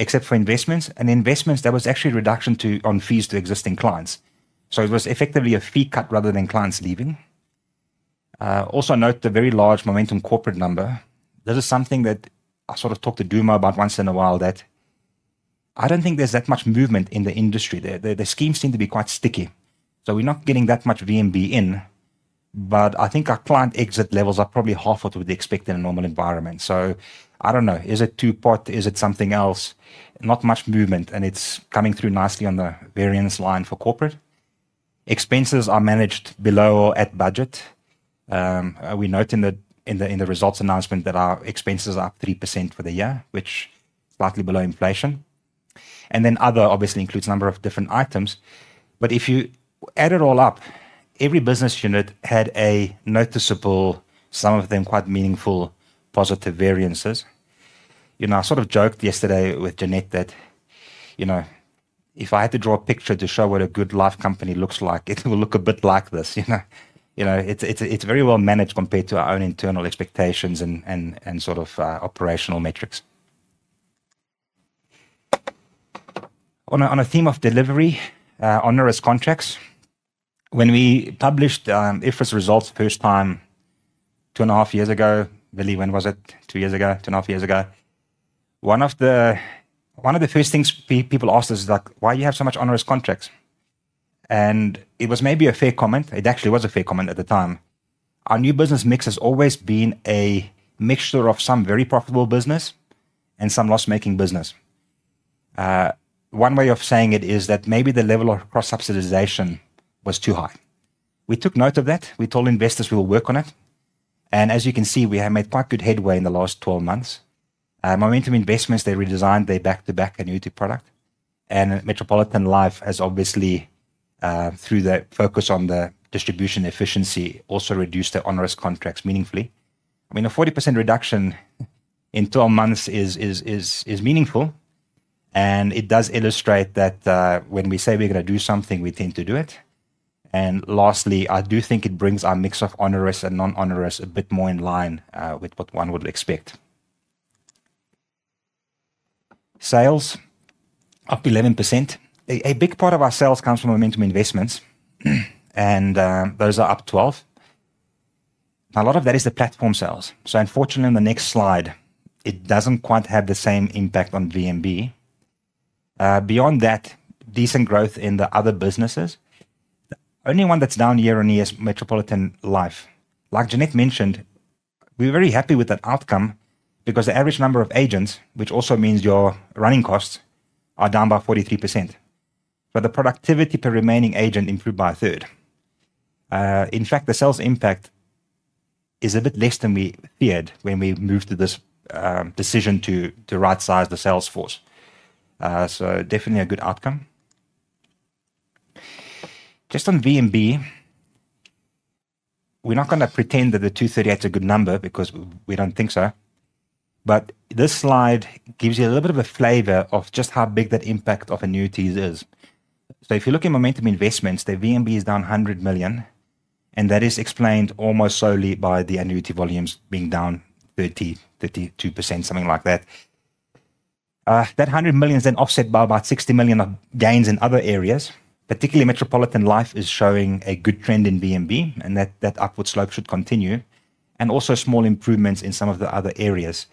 except for investments. Investments, there was actually a reduction on fees to existing clients, so it was effectively a fee cut rather than clients leaving. Also note the very large Momentum Corporate number. This is something that I sort of talk to Duma about once in a while, that I don't think there's that much movement in the industry there. The schemes seem to be quite sticky, so we're not getting that much VNB in, but I think our client exit levels are probably half what we'd expect in a normal environment. I don't know, is it two-pot? Is it something else? Not much movement, and it's coming through nicely on the variance line for Corporate. Expenses are managed below or at budget. We note in the results announcement that our expenses are up 3% for the year, which is slightly below inflation. Then other obviously includes a number of different items. If you add it all up, every business unit had a noticeable, some of them quite meaningful, positive variances. You know, I sort of joked yesterday with Jeannette that, you know, if I had to draw a picture to show what a good life company looks like, it will look a bit like this, you know? You know, it's very well managed compared to our own internal expectations and sort of operational metrics. On a theme of delivery, onerous contracts. When we published IFRS results first time two and a half years ago. Billy, when was it? Two years ago? Two and a half years ago. One of the first things people asked us is like, "Why you have so much onerous contracts?" It was maybe a fair comment. It actually was a fair comment at the time. Our new business mix has always been a mixture of some very profitable business and some loss-making business. One way of saying it is that maybe the level of cross-subsidization was too high. We took note of that. We told investors we will work on it. As you can see, we have made quite good headway in the last 12 months. Momentum Investments, they redesigned their back-to-back annuity product. Metropolitan Life has obviously, through the focus on the distribution efficiency, also reduced their onerous contracts meaningfully. I mean, a 40% reduction in 12 months is meaningful, and it does illustrate that, when we say we're gonna do something, we tend to do it. Lastly, I do think it brings our mix of onerous and non-onerous a bit more in line, with what one would expect. Sales up 11%. A big part of our sales comes from Momentum Investments, and those are up 12%. Now, a lot of that is the platform sales. Unfortunately, in the next slide, it doesn't quite have the same impact on VNB. Beyond that, decent growth in the other businesses. Only one that's down year-on-year is Metropolitan Life. Like Jeannette mentioned, we're very happy with that outcome because the average number of agents, which also means your running costs, are down by 43%. The productivity per remaining agent improved by 1/3. In fact, the sales impact is a bit less than we feared when we moved to this decision to right-size the sales force. Definitely a good outcome. Just on VNB, we're not gonna pretend that the 238's a good number because we don't think so. This slide gives you a little bit of a flavor of just how big that impact of annuities is. If you look at Momentum Investments, their VNB is down 100 million, and that is explained almost solely by the annuity volumes being down 30%-32%, something like that. That 100 million is then offset by about 60 million of gains in other areas. Particularly Metropolitan Life is showing a good trend in VNB, and that upward slope should continue. Also small improvements in some of the other areas.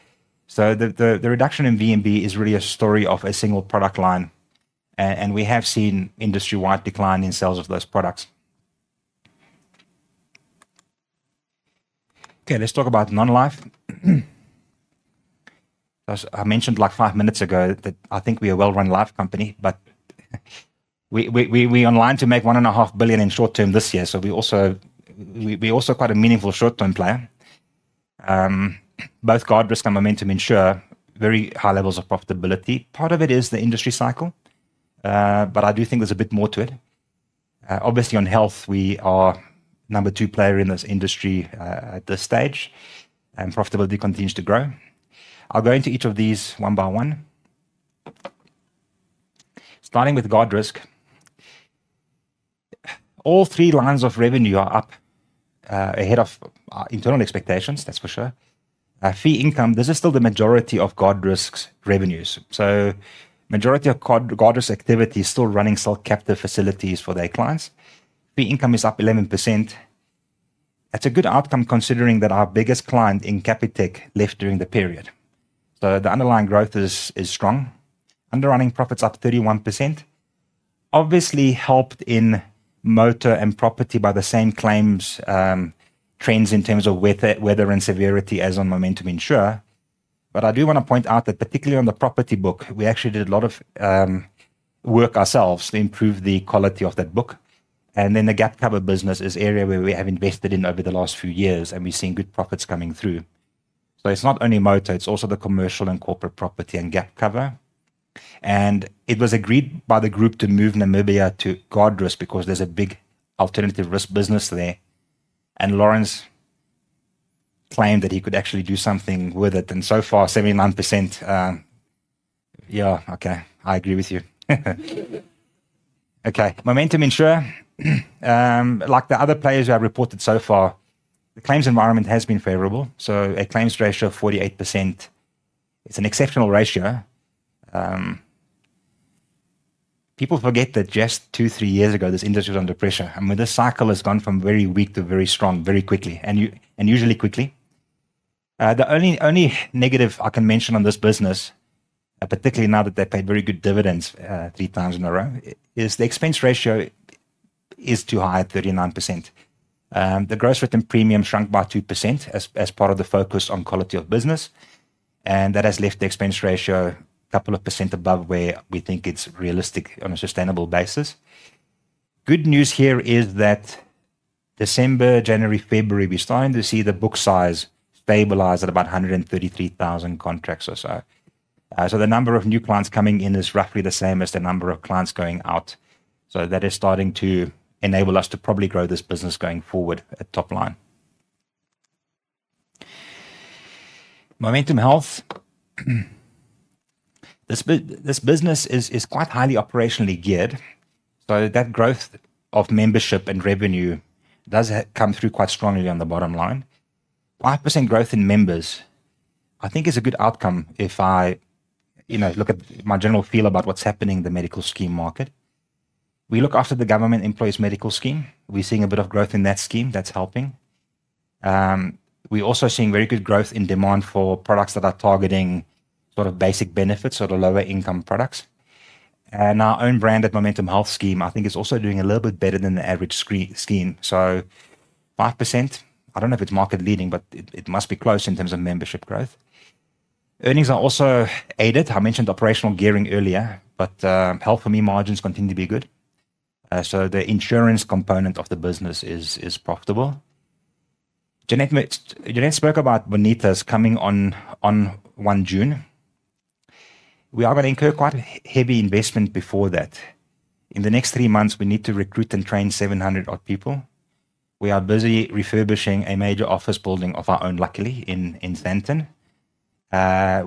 The reduction in VNB is really a story of a single product line. We have seen industry-wide decline in sales of those products. Okay, let's talk about non-life. As I mentioned like five minutes ago that I think we are a well-run life company, but we are in line to make 1.5 billion in short-term this year, so we also quite a meaningful short-term player. Both Guardrisk and Momentum Insure, very high levels of profitability. Part of it is the industry cycle, but I do think there's a bit more to it. Obviously on health, we are number two player in this industry, at this stage, and profitability continues to grow. I'll go into each of these one by one. Starting with Guardrisk. All three lines of revenue are up, ahead of our internal expectations, that's for sure. Fee income, this is still the majority of Guardrisk's revenues. Majority of Guardrisk's activity is still running self-captive facilities for their clients. Fee income is up 11%. That's a good outcome considering that our biggest client in Capitec left during the period. The underlying growth is strong. Underwriting profits up 31%. Obviously helped in motor and property by the same claims trends in terms of weather and severity as on Momentum Insure. I do wanna point out that particularly on the property book, we actually did a lot of work ourselves to improve the quality of that book. Then the gap cover business is area where we have invested in over the last few years, and we're seeing good profits coming through. It's not only motor, it's also the commercial and corporate property and gap cover. It was agreed by the group to move Namibia to Guardrisk because there's a big alternative risk business there, and Lawrence claimed that he could actually do something with it. So far, 79%, yeah, okay, I agree with you. Okay, Momentum Insure. Like the other players who have reported so far, the claims environment has been favorable, so a claims ratio of 48%, it's an exceptional ratio. People forget that just two, three years ago, this industry was under pressure. I mean, this cycle has gone from very weak to very strong, very quickly and unusually quickly. The only negative I can mention on this business, particularly now that they paid very good dividends three times in a row, is the expense ratio is too high at 39%. The gross written premium shrunk by 2% as part of the focus on quality of business. That has left the expense ratio a couple of percent above where we think it's realistic on a sustainable basis. Good news here is that December, January, February, we're starting to see the book size stabilize at about 133,000 contracts or so. The number of new clients coming in is roughly the same as the number of clients going out. That is starting to enable us to probably grow this business going forward at top line. Momentum Health. This business is quite highly operationally geared, so that growth of membership and revenue does come through quite strongly on the bottom line. 5% growth in members I think is a good outcome if I, you know, look at my general feel about what's happening in the medical scheme market. We look after the Government Employees Medical Scheme. We're seeing a bit of growth in that scheme. That's helping. We're also seeing very good growth in demand for products that are targeting sort of basic benefits or the lower income products. Our own branded Momentum Health scheme, I think, is also doing a little bit better than the average scheme. 5%, I don't know if it's market-leading, but it must be close in terms of membership growth. Earnings are also aided. I mentioned operational gearing earlier, but Health4Me margins continue to be good. So the insurance component of the business is profitable. Jeannette spoke about Bonitas coming on June 1. We are gonna incur quite a heavy investment before that. In the next three months, we need to recruit and train 700-odd people. We are busy refurbishing a major office building of our own, luckily, in Sandton.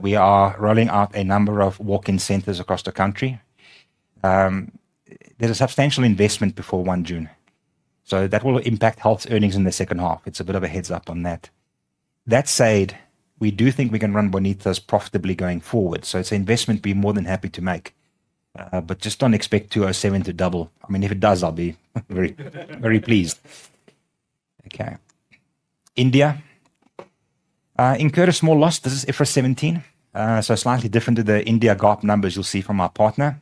We are rolling out a number of walk-in centers across the country. There's a substantial investment before June 1. So that will impact Health's earnings in the second half. It's a bit of a heads-up on that. That said, we do think we can run Bonitas profitably going forward. So it's an investment we'd be more than happy to make. But just don't expect 207 to double. I mean, if it does, I'll be very, very pleased. Okay. India incurred a small loss. This is IFRS 17, so slightly different to the Indian GAAP numbers you'll see from our partner.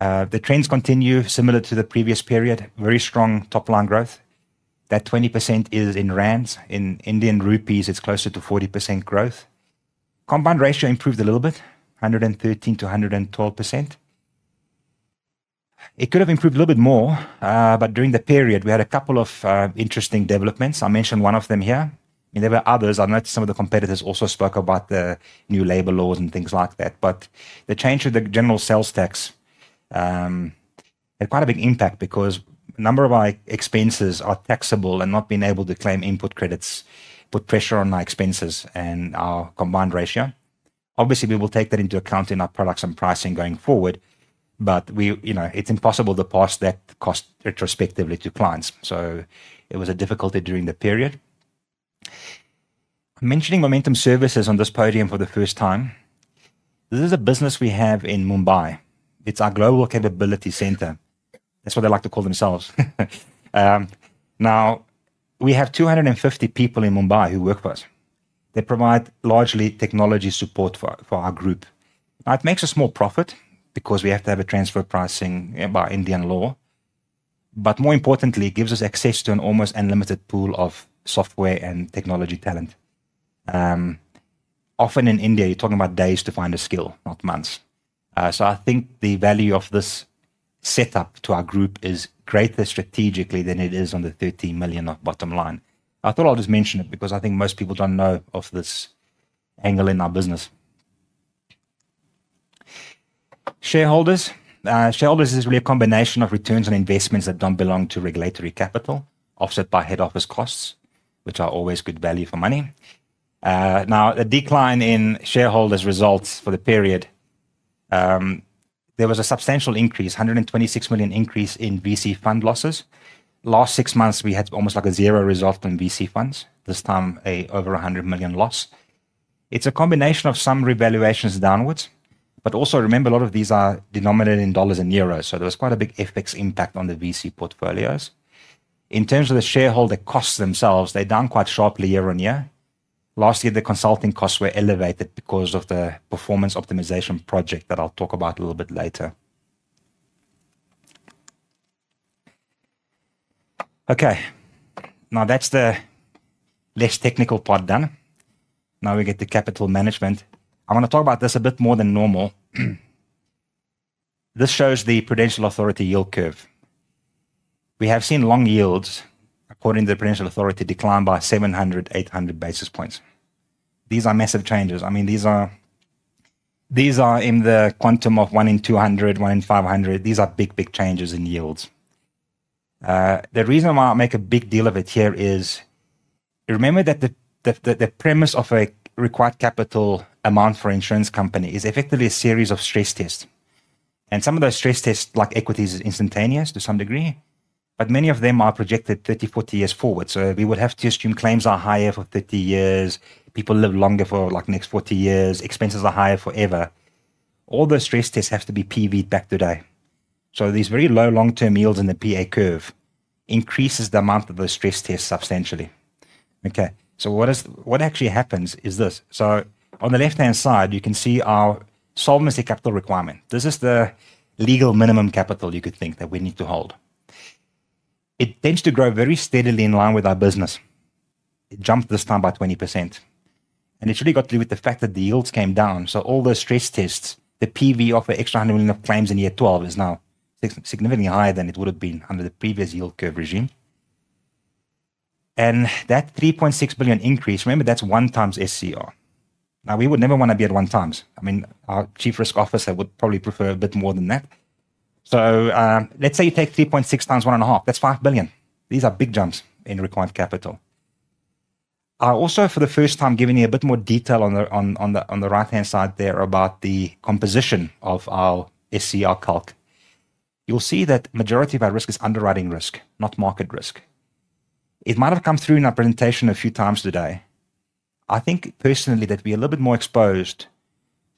The trends continue similar to the previous period. Very strong top-line growth. That 20% is in Rands. In Indian rupees, it's closer to 40% growth. Combined ratio improved a little bit, 113%-112%. It could have improved a little bit more, but during the period, we had a couple of interesting developments. I mentioned one of them here, and there were others. I know some of the competitors also spoke about the new labor laws and things like that. The change to the general sales tax had quite a big impact because a number of our expenses are taxable, and not being able to claim input credits put pressure on our expenses and our combined ratio. Obviously, we will take that into account in our products and pricing going forward, but we, you know, it's impossible to pass that cost retrospectively to clients. It was a difficulty during the period. I'm mentioning Momentum Services on this podium for the first time. This is a business we have in Mumbai. It's our global capability center. That's what they like to call themselves. Now we have 250 people in Mumbai who work for us. They provide largely technology support for our group. Now, it makes a small profit because we have to have a transfer pricing by Indian law. More importantly, it gives us access to an almost unlimited pool of software and technology talent. Often in India, you're talking about days to find a skill, not months. I think the value of this setup to our group is greater strategically than it is on the 30 million bottom line. I thought I'll just mention it because I think most people don't know of this angle in our business. Shareholders. Shareholders is really a combination of returns on investments that don't belong to regulatory capital, offset by head office costs, which are always good value for money. Now the decline in shareholders results for the period, there was a substantial increase, 126 million increase in VC fund losses. Last six months, we had almost like a zero result on VC funds. This time over 100 million loss. It's a combination of some revaluations downwards. Also remember a lot of these are denominated in dollars and euros, so there was quite a big FX impact on the VC portfolios. In terms of the shareholder costs themselves, they're down quite sharply year-on-year. Last year, the consulting costs were elevated because of the performance optimization project that I'll talk about a little bit later. Okay, now that's the less technical part done. Now we get to capital management. I wanna talk about this a bit more than normal. This shows the Prudential Authority yield curve. We have seen long yields according to the Prudential Authority decline by 700, 800 basis points. These are massive changes. I mean, these are in the quantum of one in 200, one in 500. These are big, big changes in yields. The reason why I make a big deal of it here is remember that the premise of a required capital amount for insurance company is effectively a series of stress tests. Some of those stress tests like equity is instantaneous to some degree, but many of them are projected 30, 40 years forward. We would have to assume claims are higher for 30 years, people live longer for like next 40 years, expenses are higher forever. All those stress tests have to be PV'd back today. These very low long-term yields in the PA curve increases the amount of those stress tests substantially. What actually happens is this. On the left-hand side, you can see our solvency capital requirement. This is the legal minimum capital you could think that we need to hold. It tends to grow very steadily in line with our business. It jumped this time by 20%, and it's really got to do with the fact that the yields came down. All those stress tests, the PV of the extra 100 million of claims in year 12 is now significantly higher than it would have been under the previous yield curve regime. That 3.6 billion increase, remember, that's 1x SCR. Now, we would never wanna be at 1x. I mean, our chief risk officer would probably prefer a bit more than that. Let's say you take 3.6x one and a half. That's 5 billion. These are big jumps in required capital. Also for the first time giving you a bit more detail on the right-hand side there about the composition of our SCR calc. You'll see that the majority of our risk is underwriting risk, not market risk. It might have come through in our presentation a few times today. I think personally that we're a little bit more exposed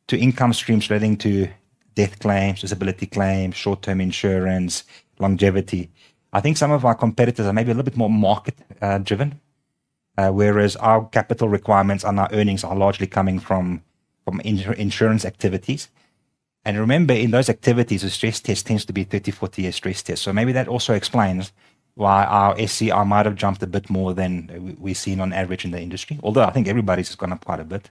to income streams relating to death claims, disability claims, short-term insurance, longevity. I think some of our competitors are maybe a little bit more market driven, whereas our capital requirements and our earnings are largely coming from insurance activities. Remember, in those activities, the stress test tends to be 30-40-year stress test. Maybe that also explains why our SCR might have jumped a bit more than we've seen on average in the industry. Although I think everybody's gone up quite a bit.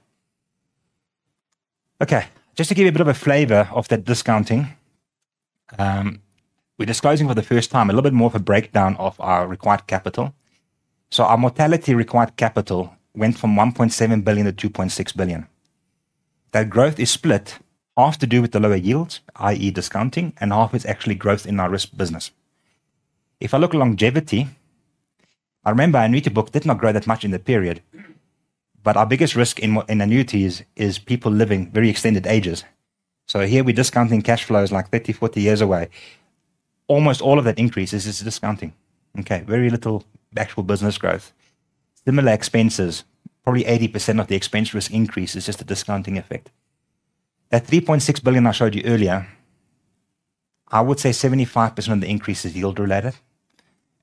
Okay, just to give you a bit of a flavor of that discounting, we're disclosing for the first time a little bit more of a breakdown of our required capital. Our mortality required capital went from 1.7 billion-2.6 billion. That growth is split. Half to do with the lower yields, i.e. discounting, and half is actually growth in our risk business. If I look at longevity, I remember our annuity book did not grow that much in the period, but our biggest risk in annuities is people living very extended ages. Here we're discounting cash flows like 30-40 years away. Almost all of that increase is just discounting. Okay. Very little actual business growth. Similar expenses, probably 80% of the expense risk increase is just a discounting effect. That 3.6 billion ZAR I showed you earlier, I would say 75% of the increase is yield related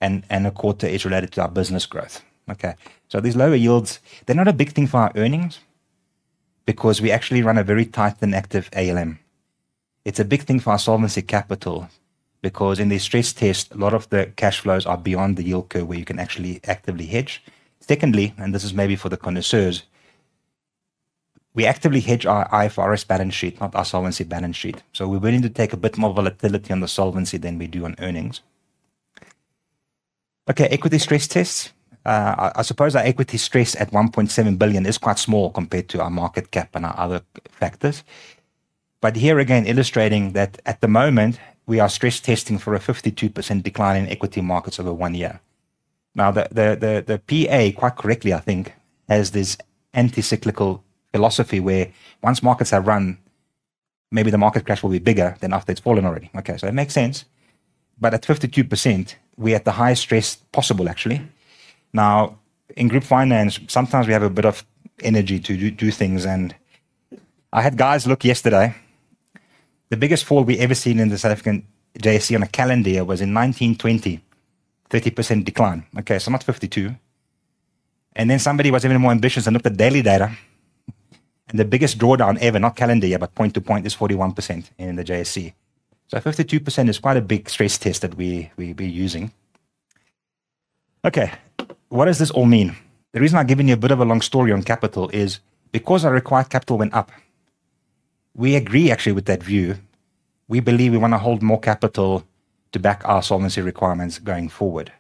and a quarter is related to our business growth. Okay, these lower yields, they're not a big thing for our earnings because we actually run a very tight and active ALM. It's a big thing for our solvency capital because in the stress test, a lot of the cash flows are beyond the yield curve where you can actually actively hedge. Secondly, this is maybe for the connoisseurs, we actively hedge our IFRS balance sheet, not our solvency balance sheet. We're willing to take a bit more volatility on the Solvency than we do on earnings. Okay, equity stress tests. I suppose our equity stress at 1.7 billion ZAR is quite small compared to our market cap and our other factors. Here again illustrating that at the moment, we are stress testing for a 52% decline in equity markets over one year. Now, the PA, quite correctly I think, has this anti-cyclical philosophy where once markets have run, maybe the market crash will be bigger than after it's fallen already. Okay, so it makes sense, but at 52%, we're at the highest stress possible actually. Now, in group finance, sometimes we have a bit of energy to do things, and I had guys look yesterday. The biggest fall we ever seen in the South African JSE on a calendar year was in 1920, 30% decline. Okay, so not 52%. Then somebody was even more ambitious and looked at daily data, and the biggest drawdown ever, not calendar year, but point-to-point is 41% in the JSE. 52% is quite a big stress test that we're using. Okay, what does this all mean? The reason I've given you a bit of a long story on capital is because our required capital went up. We agree actually with that view. We believe we wanna hold more capital to back our Solvency requirements going forward.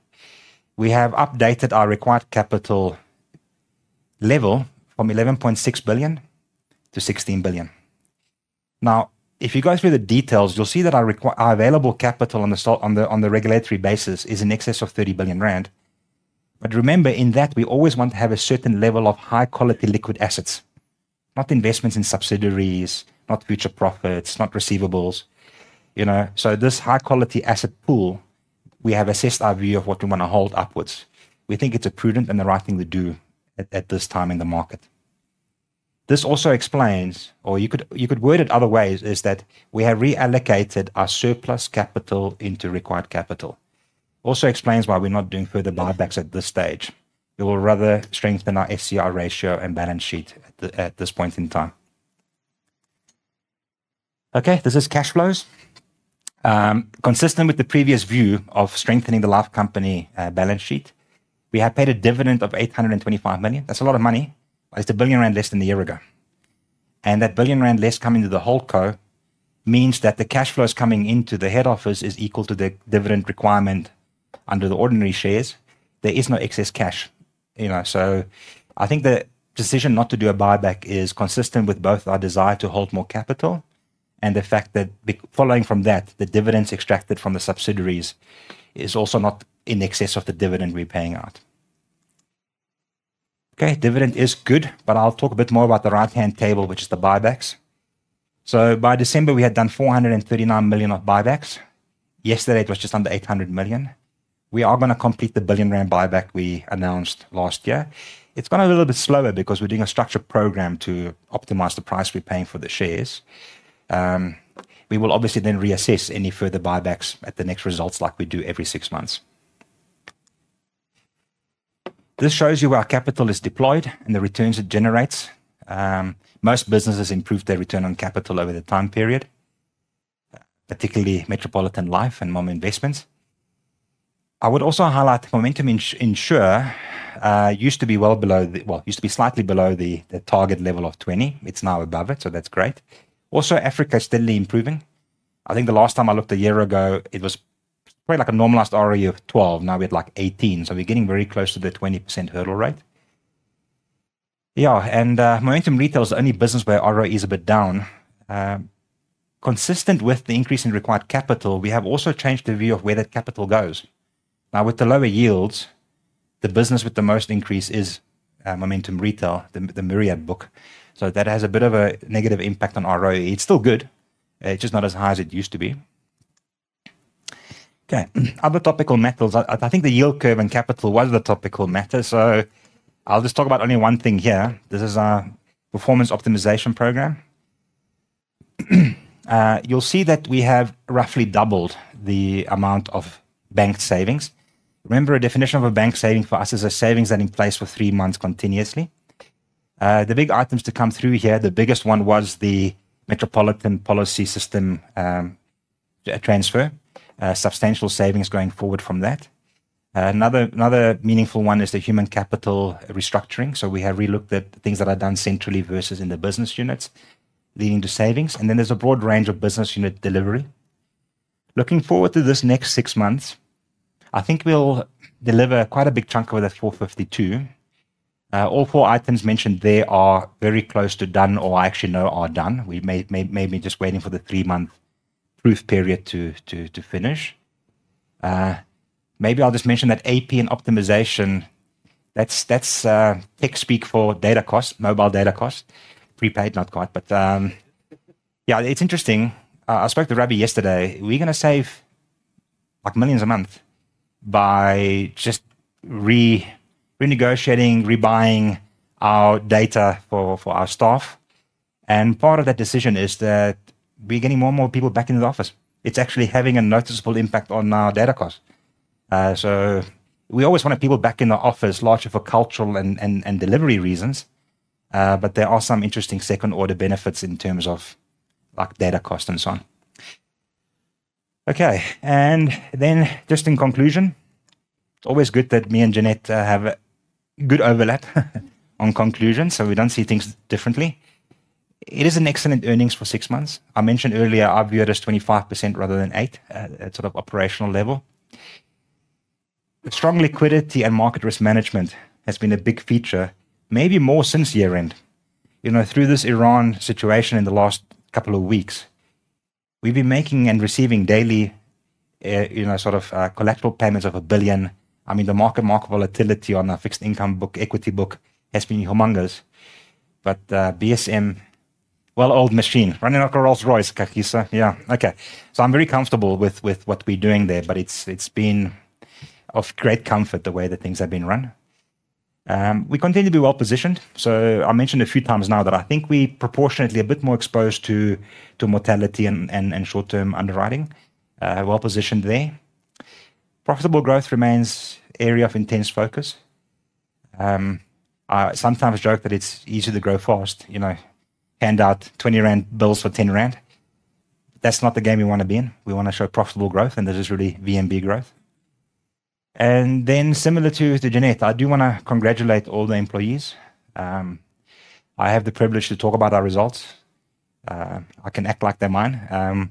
We have updated our required capital level from 11.6 billion to 16 billion. Now, if you go through the details, you'll see that our available capital on the regulatory basis is in excess of 30 billion rand. But remember, in that, we always want to have a certain level of high-quality liquid assets. Not investments in subsidiaries, not future profits, not receivables, you know. This high-quality asset pool, we have assessed our view of what we wanna hold upwards. We think it's a prudent and the right thing to do at this time in the market. This also explains, or you could word it other ways, is that we have reallocated our surplus capital into required capital. This also explains why we're not doing further buybacks at this stage. We will rather strengthen our SCR ratio and balance sheet at this point in time. Okay, this is cash flows. Consistent with the previous view of strengthening the life company balance sheet. We have paid a dividend of 825 million. That's a lot of money. It's 1 billion rand less than a year ago. That billion rand less coming to the holdco means that the cash flows coming into the head office is equal to the dividend requirement under the ordinary shares. There is no excess cash, you know. I think the decision not to do a buyback is consistent with both our desire to hold more capital and the fact that the, following from that, the dividends extracted from the subsidiaries is also not in excess of the dividend we're paying out. Okay. Dividend is good, but I'll talk a bit more about the right-hand table, which is the buybacks. By December, we had done 439 million of buybacks. Yesterday, it was just under 800 million. We are gonna complete the 1 billion rand buyback we announced last year. It's gone a little bit slower because we're doing a structured program to optimize the price we're paying for the shares. We will obviously then reassess any further buybacks at the next results like we do every six months. This shows you where our capital is deployed and the returns it generates. Most businesses improve their return on capital over the time period, particularly Metropolitan Life and Momentum Investments. I would also highlight Momentum Insure, used to be slightly below the target level of 20. It's now above it, so that's great. Also, Momentum Africa is steadily improving. I think the last time I looked a year ago, it was probably like a normalized ROE of 12. Now we're at, like, 18, so we're getting very close to the 20% hurdle rate. Yeah. Momentum Retail is the only business where ROE is a bit down. Consistent with the increase in required capital, we have also changed the view of where that capital goes. Now, with the lower yields, the business with the most increase is Momentum Retail, the Myriad book. That has a bit of a negative impact on ROE. It's still good. It's just not as high as it used to be. Okay. Other topical matters. I think the yield curve and capital was the topical matter, so I'll just talk about only one thing here. This is our performance optimization program. You'll see that we have roughly doubled the amount of banked savings. Remember, a definition of a banked saving for us is a savings that in place for three months continuously. The big items to come through here, the biggest one was the Metropolitan policy system transfer. Substantial savings going forward from that. Another meaningful one is the human capital restructuring. We have relooked at things that are done centrally versus in the business units, leading to savings. There's a broad range of business unit delivery. Looking forward to this next six months, I think we'll deliver quite a big chunk of the 452. All four items mentioned there are very close to done or I actually know are done. We may be just waiting for the three-month proof period to finish. Maybe I'll just mention that APN optimization, that's tech speak for data costs, mobile data costs. Prepaid, not quite, but yeah, it's interesting. I spoke to Robbie yesterday. We're gonna save, like, millions a month by just renegotiating, rebuying our data for our staff. Part of that decision is that we're getting more and more people back into the office. It's actually having a noticeable impact on our data costs. We always wanted people back in the office largely for cultural and delivery reasons, but there are some interesting second-order benefits in terms of, like, data cost and so on. Okay. Just in conclusion, it's always good that me and Jeannette have a good overlap on conclusions, so we don't see things differently. It is an excellent earnings for six months. I mentioned earlier, I view it as 25% rather than 8% at sort of operational level. Strong liquidity and market risk management has been a big feature, maybe more since year-end. You know, through this Iran situation in the last couple of weeks, we've been making and receiving daily, you know, sort of, collateral payments of 1 billion. I mean, the market volatility on a fixed income book, equity book has been humongous. BSM, well-oiled machine, running like a Rolls-Royce, Kagiso. Yeah. Okay. I'm very comfortable with what we're doing there, but it's been of great comfort the way that things have been run. We continue to be well-positioned. I mentioned a few times now that I think we're proportionately a bit more exposed to mortality and short-term underwriting. Well-positioned there. Profitable growth remains area of intense focus. I sometimes joke that it's easier to grow fast. You know, hand out 20 rand bills for 10 rand. That's not the game we wanna be in. We wanna show profitable growth, and this is really VNB growth. Then similar to Jeannette, I do wanna congratulate all the employees. I have the privilege to talk about our results. I can act like they're mine.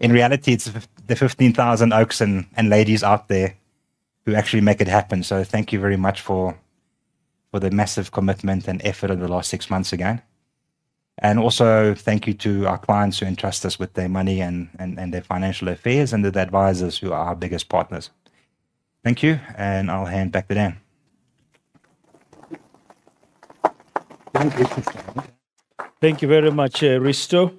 In reality, it's the 15,000 folks and ladies out there who actually make it happen. Thank you very much for the massive commitment and effort over the last six months again. Also thank you to our clients who entrust us with their money and their financial affairs, and the advisors who are our biggest partners. Thank you, and I'll hand back to Dan. Thank you very much, Risto.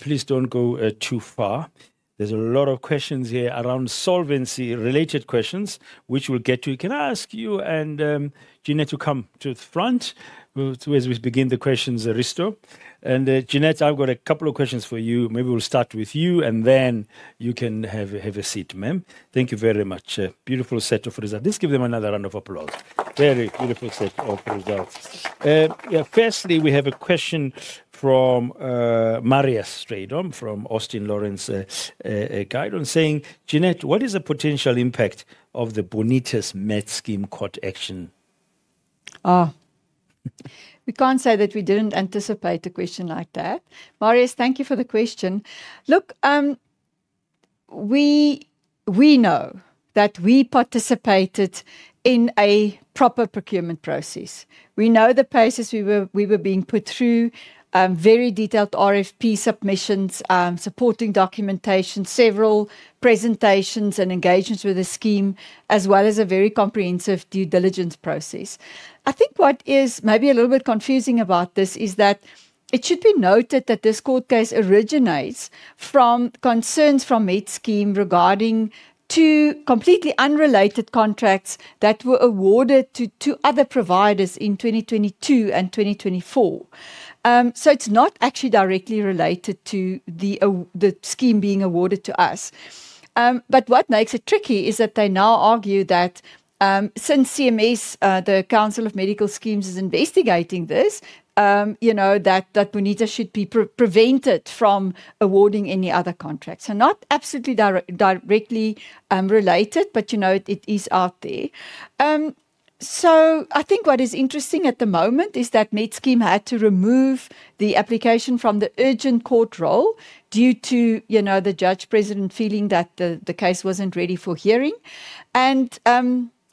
Please don't go too far. There's a lot of questions here around Solvency, related questions, which we'll get to. Can I ask you and Jeannette to come to the front as we begin the questions, Risto. Jeannette, I've got a couple of questions for you. Maybe we'll start with you, and then you can have a seat, ma'am. Thank you very much. A beautiful set of results. Let's give them another round of applause. Very beautiful set of results. Yeah. Firstly, we have a question from Marius Strydom from Austin Lawrence Gidon saying, "Jeannette, what is the potential impact of the Bonitas Medscheme court action? We can't say that we didn't anticipate a question like that. Marius, thank you for the question. Look, we know that we participated in a proper procurement process. We know the process we were being put through, very detailed RFP submissions, supporting documentation, several presentations and engagements with the scheme, as well as a very comprehensive due diligence process. I think what is maybe a little bit confusing about this is that it should be noted that this court case originates from concerns from Medscheme regarding two completely unrelated contracts that were awarded to other providers in 2022 and 2024. So it's not actually directly related to the scheme being awarded to us. What makes it tricky is that they now argue that since CMS, the Council for Medical Schemes is investigating this, you know, that Bonitas should be prevented from awarding any other contracts. Not absolutely directly related, but you know, it is out there. I think what is interesting at the moment is that Medscheme had to remove the application from the urgent court roll due to you know, the judge president feeling that the case wasn't ready for hearing.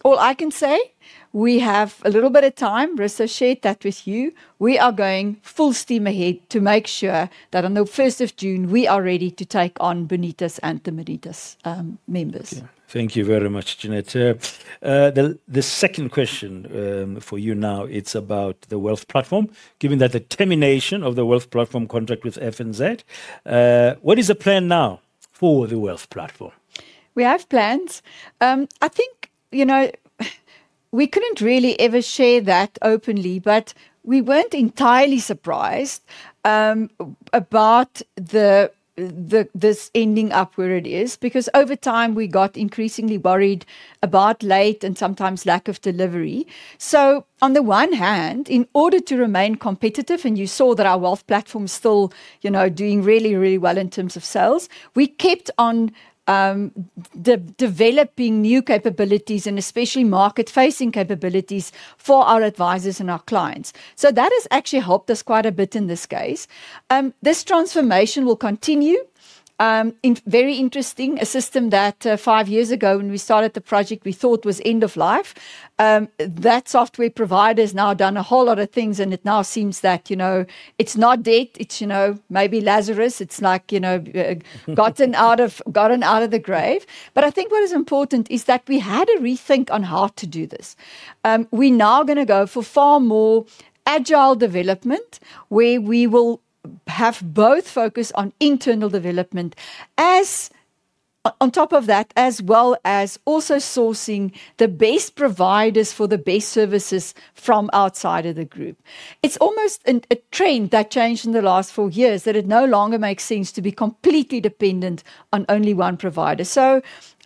All I can say, we have a little bit of time. Risa shared that with you. We are going full steam ahead to make sure that on the first of June, we are ready to take on Bonitas and the Medscheme members. Thank you very much, Jeannette. The second question for you now, it's about the wealth platform. Given that the termination of the wealth platform contract with FNZ, what is the plan now for the wealth platform? We have plans. I think, you know, we couldn't really ever share that openly, but we weren't entirely surprised about this ending up where it is, because over time, we got increasingly worried about late and sometimes lack of delivery. On the one hand, in order to remain competitive, and you saw that our wealth platform is still, you know, doing really, really well in terms of sales, we kept on developing new capabilities and especially market-facing capabilities for our advisors and our clients. That has actually helped us quite a bit in this case. This transformation will continue. Very interesting, a system that five years ago when we started the project, we thought was end of life. That software provider has now done a whole lot of things, and it now seems that, you know, it's not dead. It's, you know, maybe Lazarus. It's like, you know, gotten out of the grave. I think what is important is that we had a rethink on how to do this. We now gonna go for far more agile development, where we will have both focus on internal development on top of that, as well as also sourcing the best providers for the best services from outside of the group. It's almost a trend that changed in the last four years that it no longer makes sense to be completely dependent on only one provider.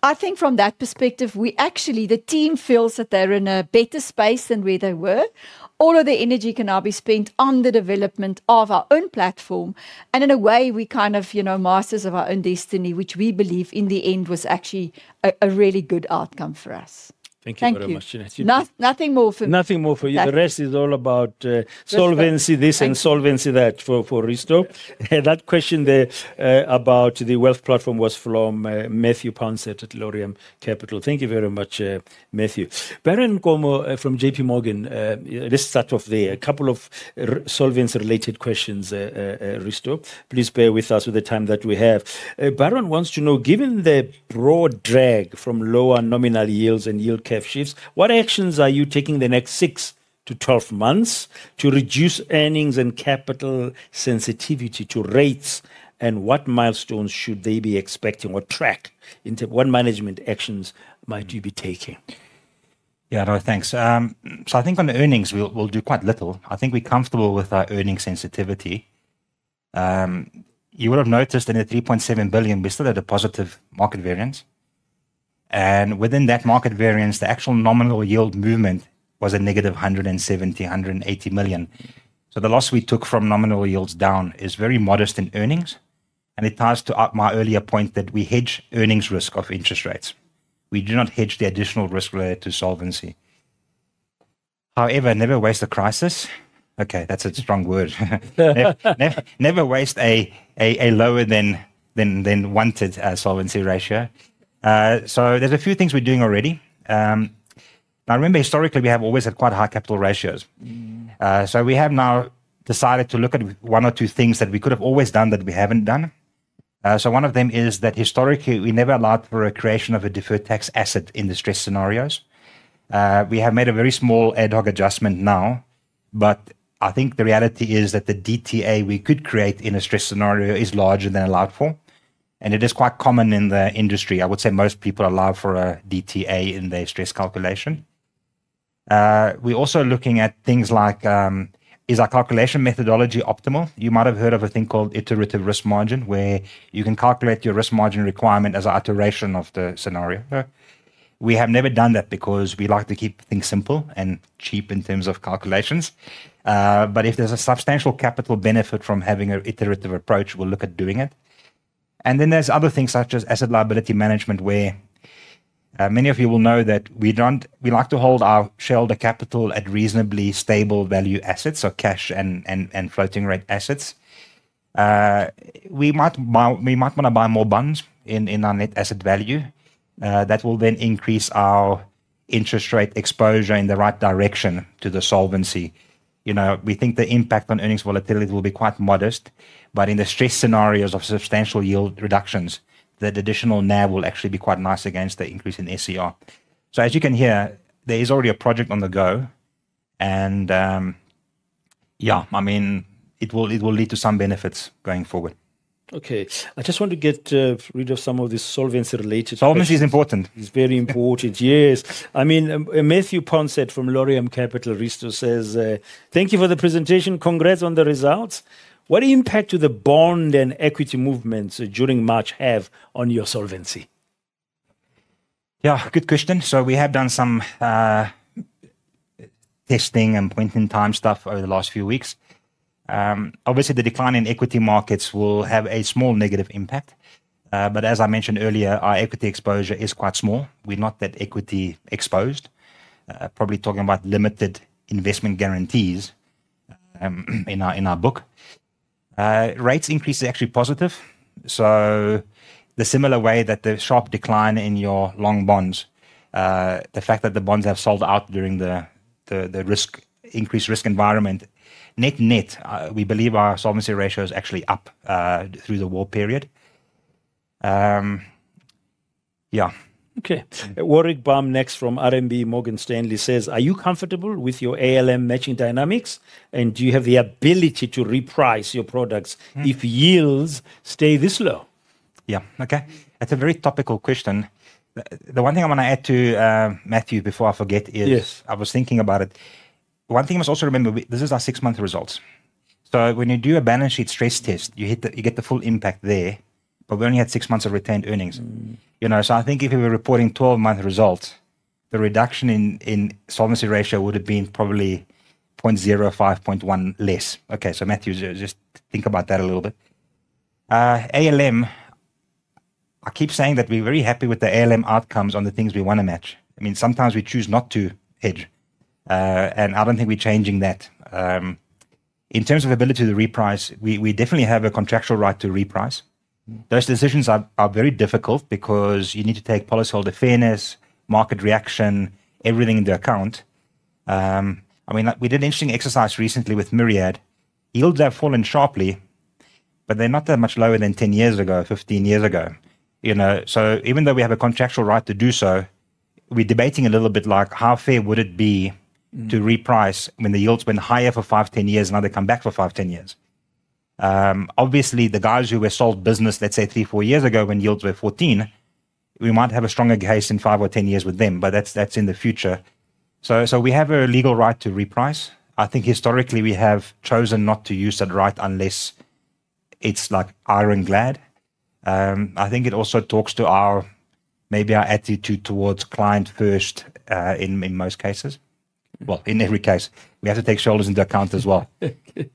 I think from that perspective, we actually, the team feels that they're in a better space than where they were. All of the energy can now be spent on the development of our own platform, and in a way, we kind of, you know, masters of our own destiny, which we believe in the end was actually a really good outcome for us. Thank you very much, Jeannette. Thank you. Nothing more for- Nothing more for you. The rest is all about Solvency this and Solvency that for Risto. That question there about the wealth platform was from Matthew Pouncett at Laurium Capital. Thank you very much, Matthew. Baron Nkomo from J.P. Morgan, let's start off there. A couple of solvency-related questions, Risto. Please bear with us with the time that we have. Baron wants to know, given the broad drag from lower nominal yields and yield curve shifts, what actions are you taking the next six to 12 months to reduce earnings and capital sensitivity to rates, and what milestones should they be expecting? What management actions might you be taking? Yeah. No, thanks. I think on earnings, we'll do quite little. I think we're comfortable with our earnings sensitivity. You would have noticed in the 3.7 billion, we still had a positive market variance. Within that market variance, the actual nominal yield movement was a negative 170 million-180 million. The loss we took from nominal yields down is very modest in earnings, and it ties to my earlier point that we hedge earnings risk of interest rates. We do not hedge the additional risk related to solvency. However, never waste a crisis. Okay, that's a strong word. Never waste a lower than wanted solvency ratio. There's a few things we're doing already. Now remember historically, we have always had quite high capital ratios. We have now decided to look at one or two things that we could have always done that we haven't done. One of them is that historically, we never allowed for a creation of a deferred tax asset in the stress scenarios. We have made a very small ad hoc adjustment now, but I think the reality is that the DTA we could create in a stress scenario is larger than allowed for, and it is quite common in the industry. I would say most people allow for a DTA in their stress calculation. We're also looking at things like, is our calculation methodology optimal? You might have heard of a thing called iterative risk margin, where you can calculate your risk margin requirement as an iteration of the scenario. Yeah. We have never done that because we like to keep things simple and cheap in terms of calculations. But if there's a substantial capital benefit from having an iterative approach, we'll look at doing it. Then there's other things such as asset liability management, where many of you will know that we like to hold our shareholder capital at reasonably stable value assets, so cash and floating rate assets. We might wanna buy more bonds in our net asset value, that will then increase our interest rate exposure in the right direction to the solvency. You know, we think the impact on earnings volatility will be quite modest. In the stress scenarios of substantial yield reductions, that additional NAV will actually be quite nice against the increase in SCR. As you can hear, there is already a project on the go. Yeah, I mean, it will lead to some benefits going forward. Okay. I just want to get rid of some of these Solvency-related questions. Solvency is important. It's very important, yes. I mean, Matthew Pouncett from Laurium Capital says, "Thank you for the presentation. Congrats on the results. What impact do the bond and equity movements during March have on your Solvency? Yeah, good question. We have done some testing and point-in-time stuff over the last few weeks. Obviously, the decline in equity markets will have a small negative impact. But as I mentioned earlier, our equity exposure is quite small. We're not that equity exposed. Probably talking about limited investment guarantees in our book. Rates increase is actually positive, so the similar way that the sharp decline in your long bonds, the fact that the bonds have sold out during the increased risk environment. Net-net, we believe our solvency ratio is actually up through the war period. Yeah. Okay. Warwick Bam next from RMB Morgan Stanley says, "Are you comfortable with your ALM matching dynamics? And do you have the ability to reprice your products if yields stay this low? Yeah. Okay. That's a very topical question. The one thing I wanna add to Matthew, before I forget is. Yes I was thinking about it. One thing you must also remember, this is our six-month results. When you do a balance sheet stress test, you get the full impact there, but we only had six months of retained earnings. Mm-hmm. You know, I think if we were reporting 12-month results, the reduction in solvency ratio would have been probably 0.05, 0.1 less. Okay? Matthew, just think about that a little bit. ALM, I keep saying that we're very happy with the ALM outcomes on the things we wanna match. I mean, sometimes we choose not to hedge, and I don't think we're changing that. In terms of ability to reprice, we definitely have a contractual right to reprice. Mm-hmm. Those decisions are very difficult because you need to take policyholder fairness, market reaction, everything into account. I mean, like, we did an interesting exercise recently with Myriad. Yields have fallen sharply, but they're not that much lower than 10 years ago, 15 years ago, you know? Even though we have a contractual right to do so, we're debating a little bit like how fair would it be to reprice when the yield's been higher for five, 10 years, now they come back for five, 10 years. Obviously the guys who were sold business, let's say three, four years ago when yields were 14, we might have a stronger case in five or 10 years with them, but that's in the future. We have a legal right to reprice. I think historically we have chosen not to use that right unless it's like ironclad. I think it also talks to our, maybe our attitude towards client first, in most cases. Well, in every case. We have to take shareholders into account as well. Okay.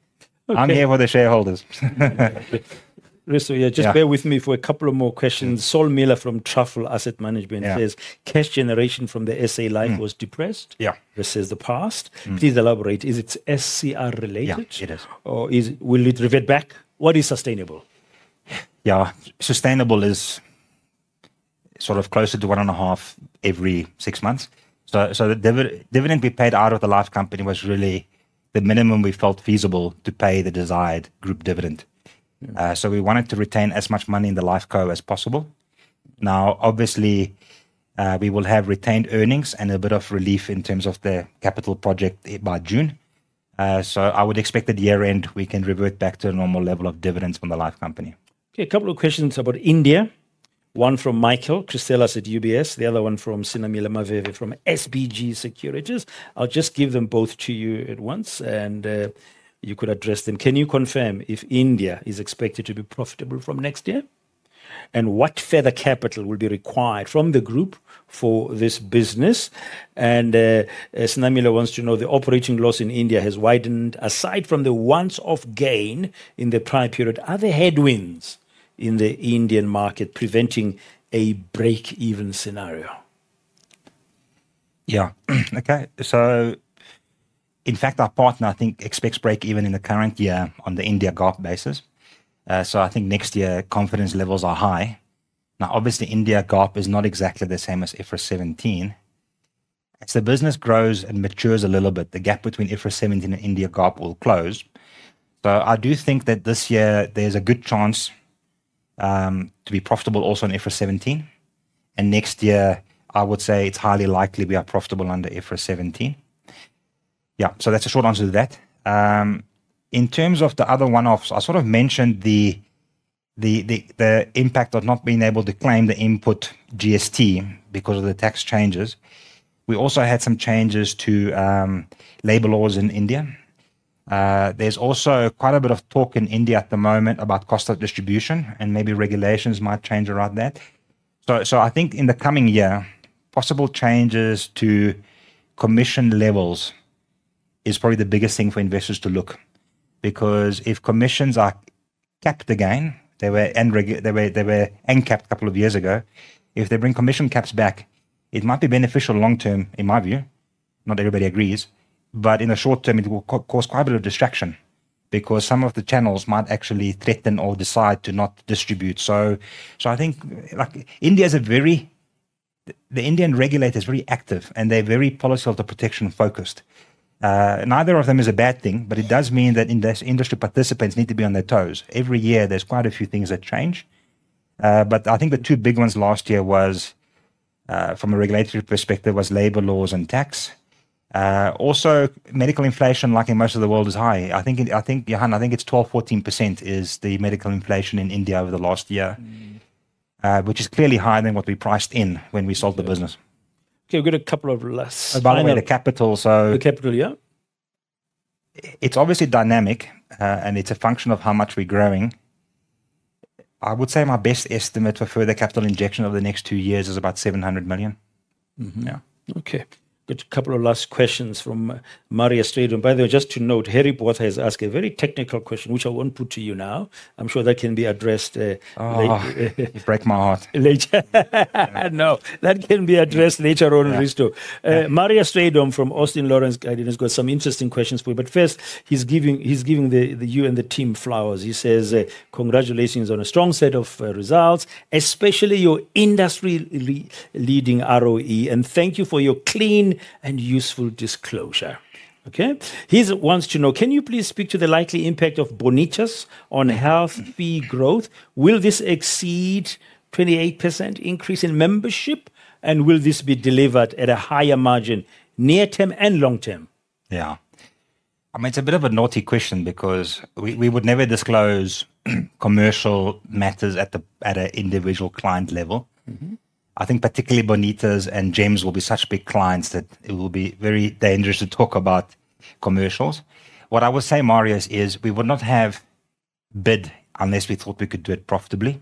I'm here for the shareholders. Risto, yeah. Yeah. Just bear with me for a couple of more questions. Saul Miller from Truffle Asset Management. Yeah says cash generation from the S.A. Life was depressed. Yeah versus the past. Mm-hmm. Please elaborate. Is it SCR related? Yeah, it is. Is it, will it revert back? What is sustainable? Yeah. Sustainable is sort of closer to 1.5 every six months. The dividend we paid out of the Life company was really the minimum we felt feasible to pay the desired group dividend. Mm-hmm. We wanted to retain as much money in the Life Co as possible. Now, obviously, we will have retained earnings and a bit of relief in terms of the capital project by June. I would expect at year-end, we can revert back to a normal level of dividends from the Life company. Okay. A couple of questions about India, one from Michael Christelis at UBS, the other one from Sinamile Maveve from SBG Securities. I'll just give them both to you at once, and you could address them. Can you confirm if India is expected to be profitable from next year? And what further capital will be required from the group for this business? Sinamile wants to know, the operating loss in India has widened. Aside from the once-off gain in the prior period, are there headwinds in the Indian market preventing a break-even scenario? Yeah. Okay. In fact, our partner, I think, expects break even in the current year on the Indian GAAP basis. I think next year confidence levels are high. Now, obviously, Indian GAAP is not exactly the same as IFRS 17. As the business grows and matures a little bit, the gap between IFRS 17 and Indian GAAP will close. I do think that this year there's a good chance to be profitable also in IFRS 17. And next year, I would say it's highly likely we are profitable under IFRS 17. Yeah. That's a short answer to that. In terms of the other one-offs, I sort of mentioned the impact of not being able to claim the input GST because of the tax changes. We also had some changes to labor laws in India. There's also quite a bit of talk in India at the moment about cost of distribution, and maybe regulations might change around that. I think in the coming year, possible changes to commission levels is probably the biggest thing for investors to look. Because if commissions are capped again, they were uncapped a couple of years ago. If they bring commission caps back, it might be beneficial long term, in my view, not everybody agrees, but in the short term it will cause quite a bit of distraction because some of the channels might actually threaten or decide to not distribute. I think, like, India is a very. The Indian regulator is very active, and they're very policyholder protection-focused. Neither of them is a bad thing, but it does mean that industry participants need to be on their toes. Every year there's quite a few things that change. I think the two big ones last year was from a regulatory perspective labor laws and tax. Also medical inflation, like in most of the world, is high. I think, Johan, I think it's 12%-14% is the medical inflation in India over the last year. Mm-hmm which is clearly higher than what we priced in when we sold the business. Okay. We've got a couple of last By the way, the capital. The capital, yeah. It's obviously dynamic, and it's a function of how much we're growing. I would say my best estimate for further capital injection over the next two years is about 700 million. Mm-hmm. Yeah. Okay. Got a couple of last questions from Marius Strydom. By the way, just to note, Harry Porter has asked a very technical question, which I won't put to you now. I'm sure that can be addressed. You break my heart. Later. No. That can be addressed later on, Risto. Yeah. Yeah. Marius Strydom from Austin Lawrence Gidon has got some interesting questions for you. First, he's giving you and the team flowers. He says, "Congratulations on a strong set of results, especially your industry-leading ROE, and thank you for your clean and useful disclosure." Okay? He wants to know, can you please speak to the likely impact of Bonitas on health fee growth? Will this exceed 28% increase in membership, and will this be delivered at a higher margin near term and long term? Yeah. I mean, it's a bit of a naughty question because we would never disclose commercial matters at an individual client level. Mm-hmm. I think particularly Bonitas and GEMS will be such big clients that it will be very dangerous to talk about commercials. What I would say, Marius, is we would not have bid unless we thought we could do it profitably.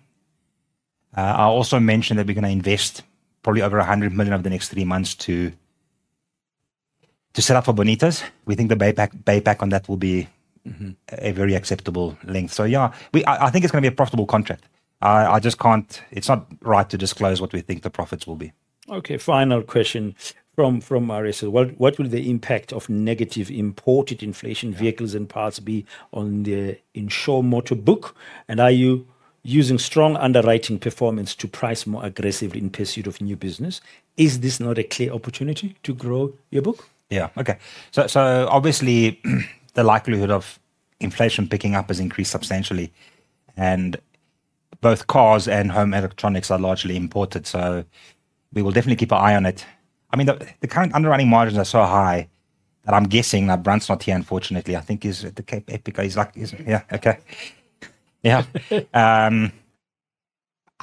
I also mentioned that we're gonna invest probably over 100 million over the next three months to set up for Bonitas. We think the pay back on that will be. A very acceptable length. Yeah, I think it's gonna be a profitable contract. I just can't. It's not right to disclose what we think the profits will be. Okay. Final question from Marius. What will the impact of negative imported inflation vehicles and parts be on the Insure motor book, and are you using strong underwriting performance to price more aggressively in pursuit of new business? Is this not a clear opportunity to grow your book? Obviously, the likelihood of inflation picking up has increased substantially, and both cars and home electronics are largely imported, so we will definitely keep an eye on it. I mean, the current underwriting margins are so high that I'm guessing that Brent's not here, unfortunately. I think he's at the Cape Epic. I think the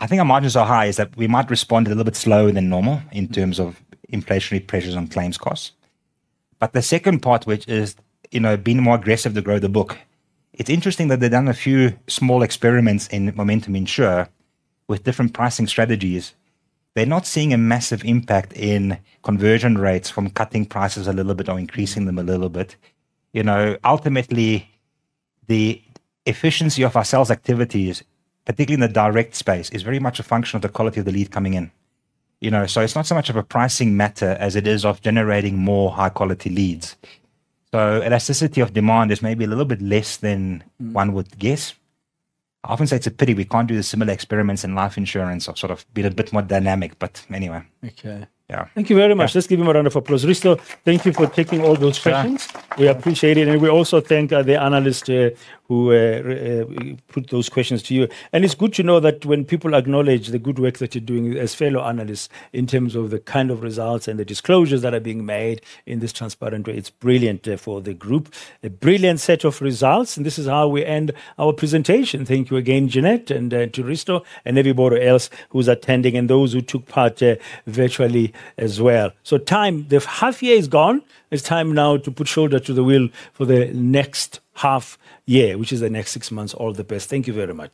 reason our margins are high is that we might respond a little bit slower than normal in terms of inflationary pressures on claims costs. The second part, which is, you know, being more aggressive to grow the book, it's interesting that they've done a few small experiments in Momentum Insure with different pricing strategies. They're not seeing a massive impact in conversion rates from cutting prices a little bit or increasing them a little bit. You know, ultimately, the efficiency of our sales activities, particularly in the direct space, is very much a function of the quality of the lead coming in. You know, it's not so much of a pricing matter as it is of generating more high-quality leads. Elasticity of demand is maybe a little bit less than one would guess. I often say it's a pity we can't do the similar experiments in life insurance or sort of be a bit more dynamic, but anyway. Okay. Yeah. Thank you very much. Let's give him a round of applause. Risto, thank you for taking all those questions. Sure. We appreciate it, and we also thank the analysts who put those questions to you. It's good to know that when people acknowledge the good work that you're doing as fellow analysts in terms of the kind of results and the disclosures that are being made in this transparent way, it's brilliant for the group. A brilliant set of results, and this is how we end our presentation. Thank you again, Jeannette, and to Risto and everybody else who's attending and those who took part virtually as well. Time, the half year is gone. It's time now to put shoulder to the wheel for the next half year, which is the next six months. All the best. Thank you very much.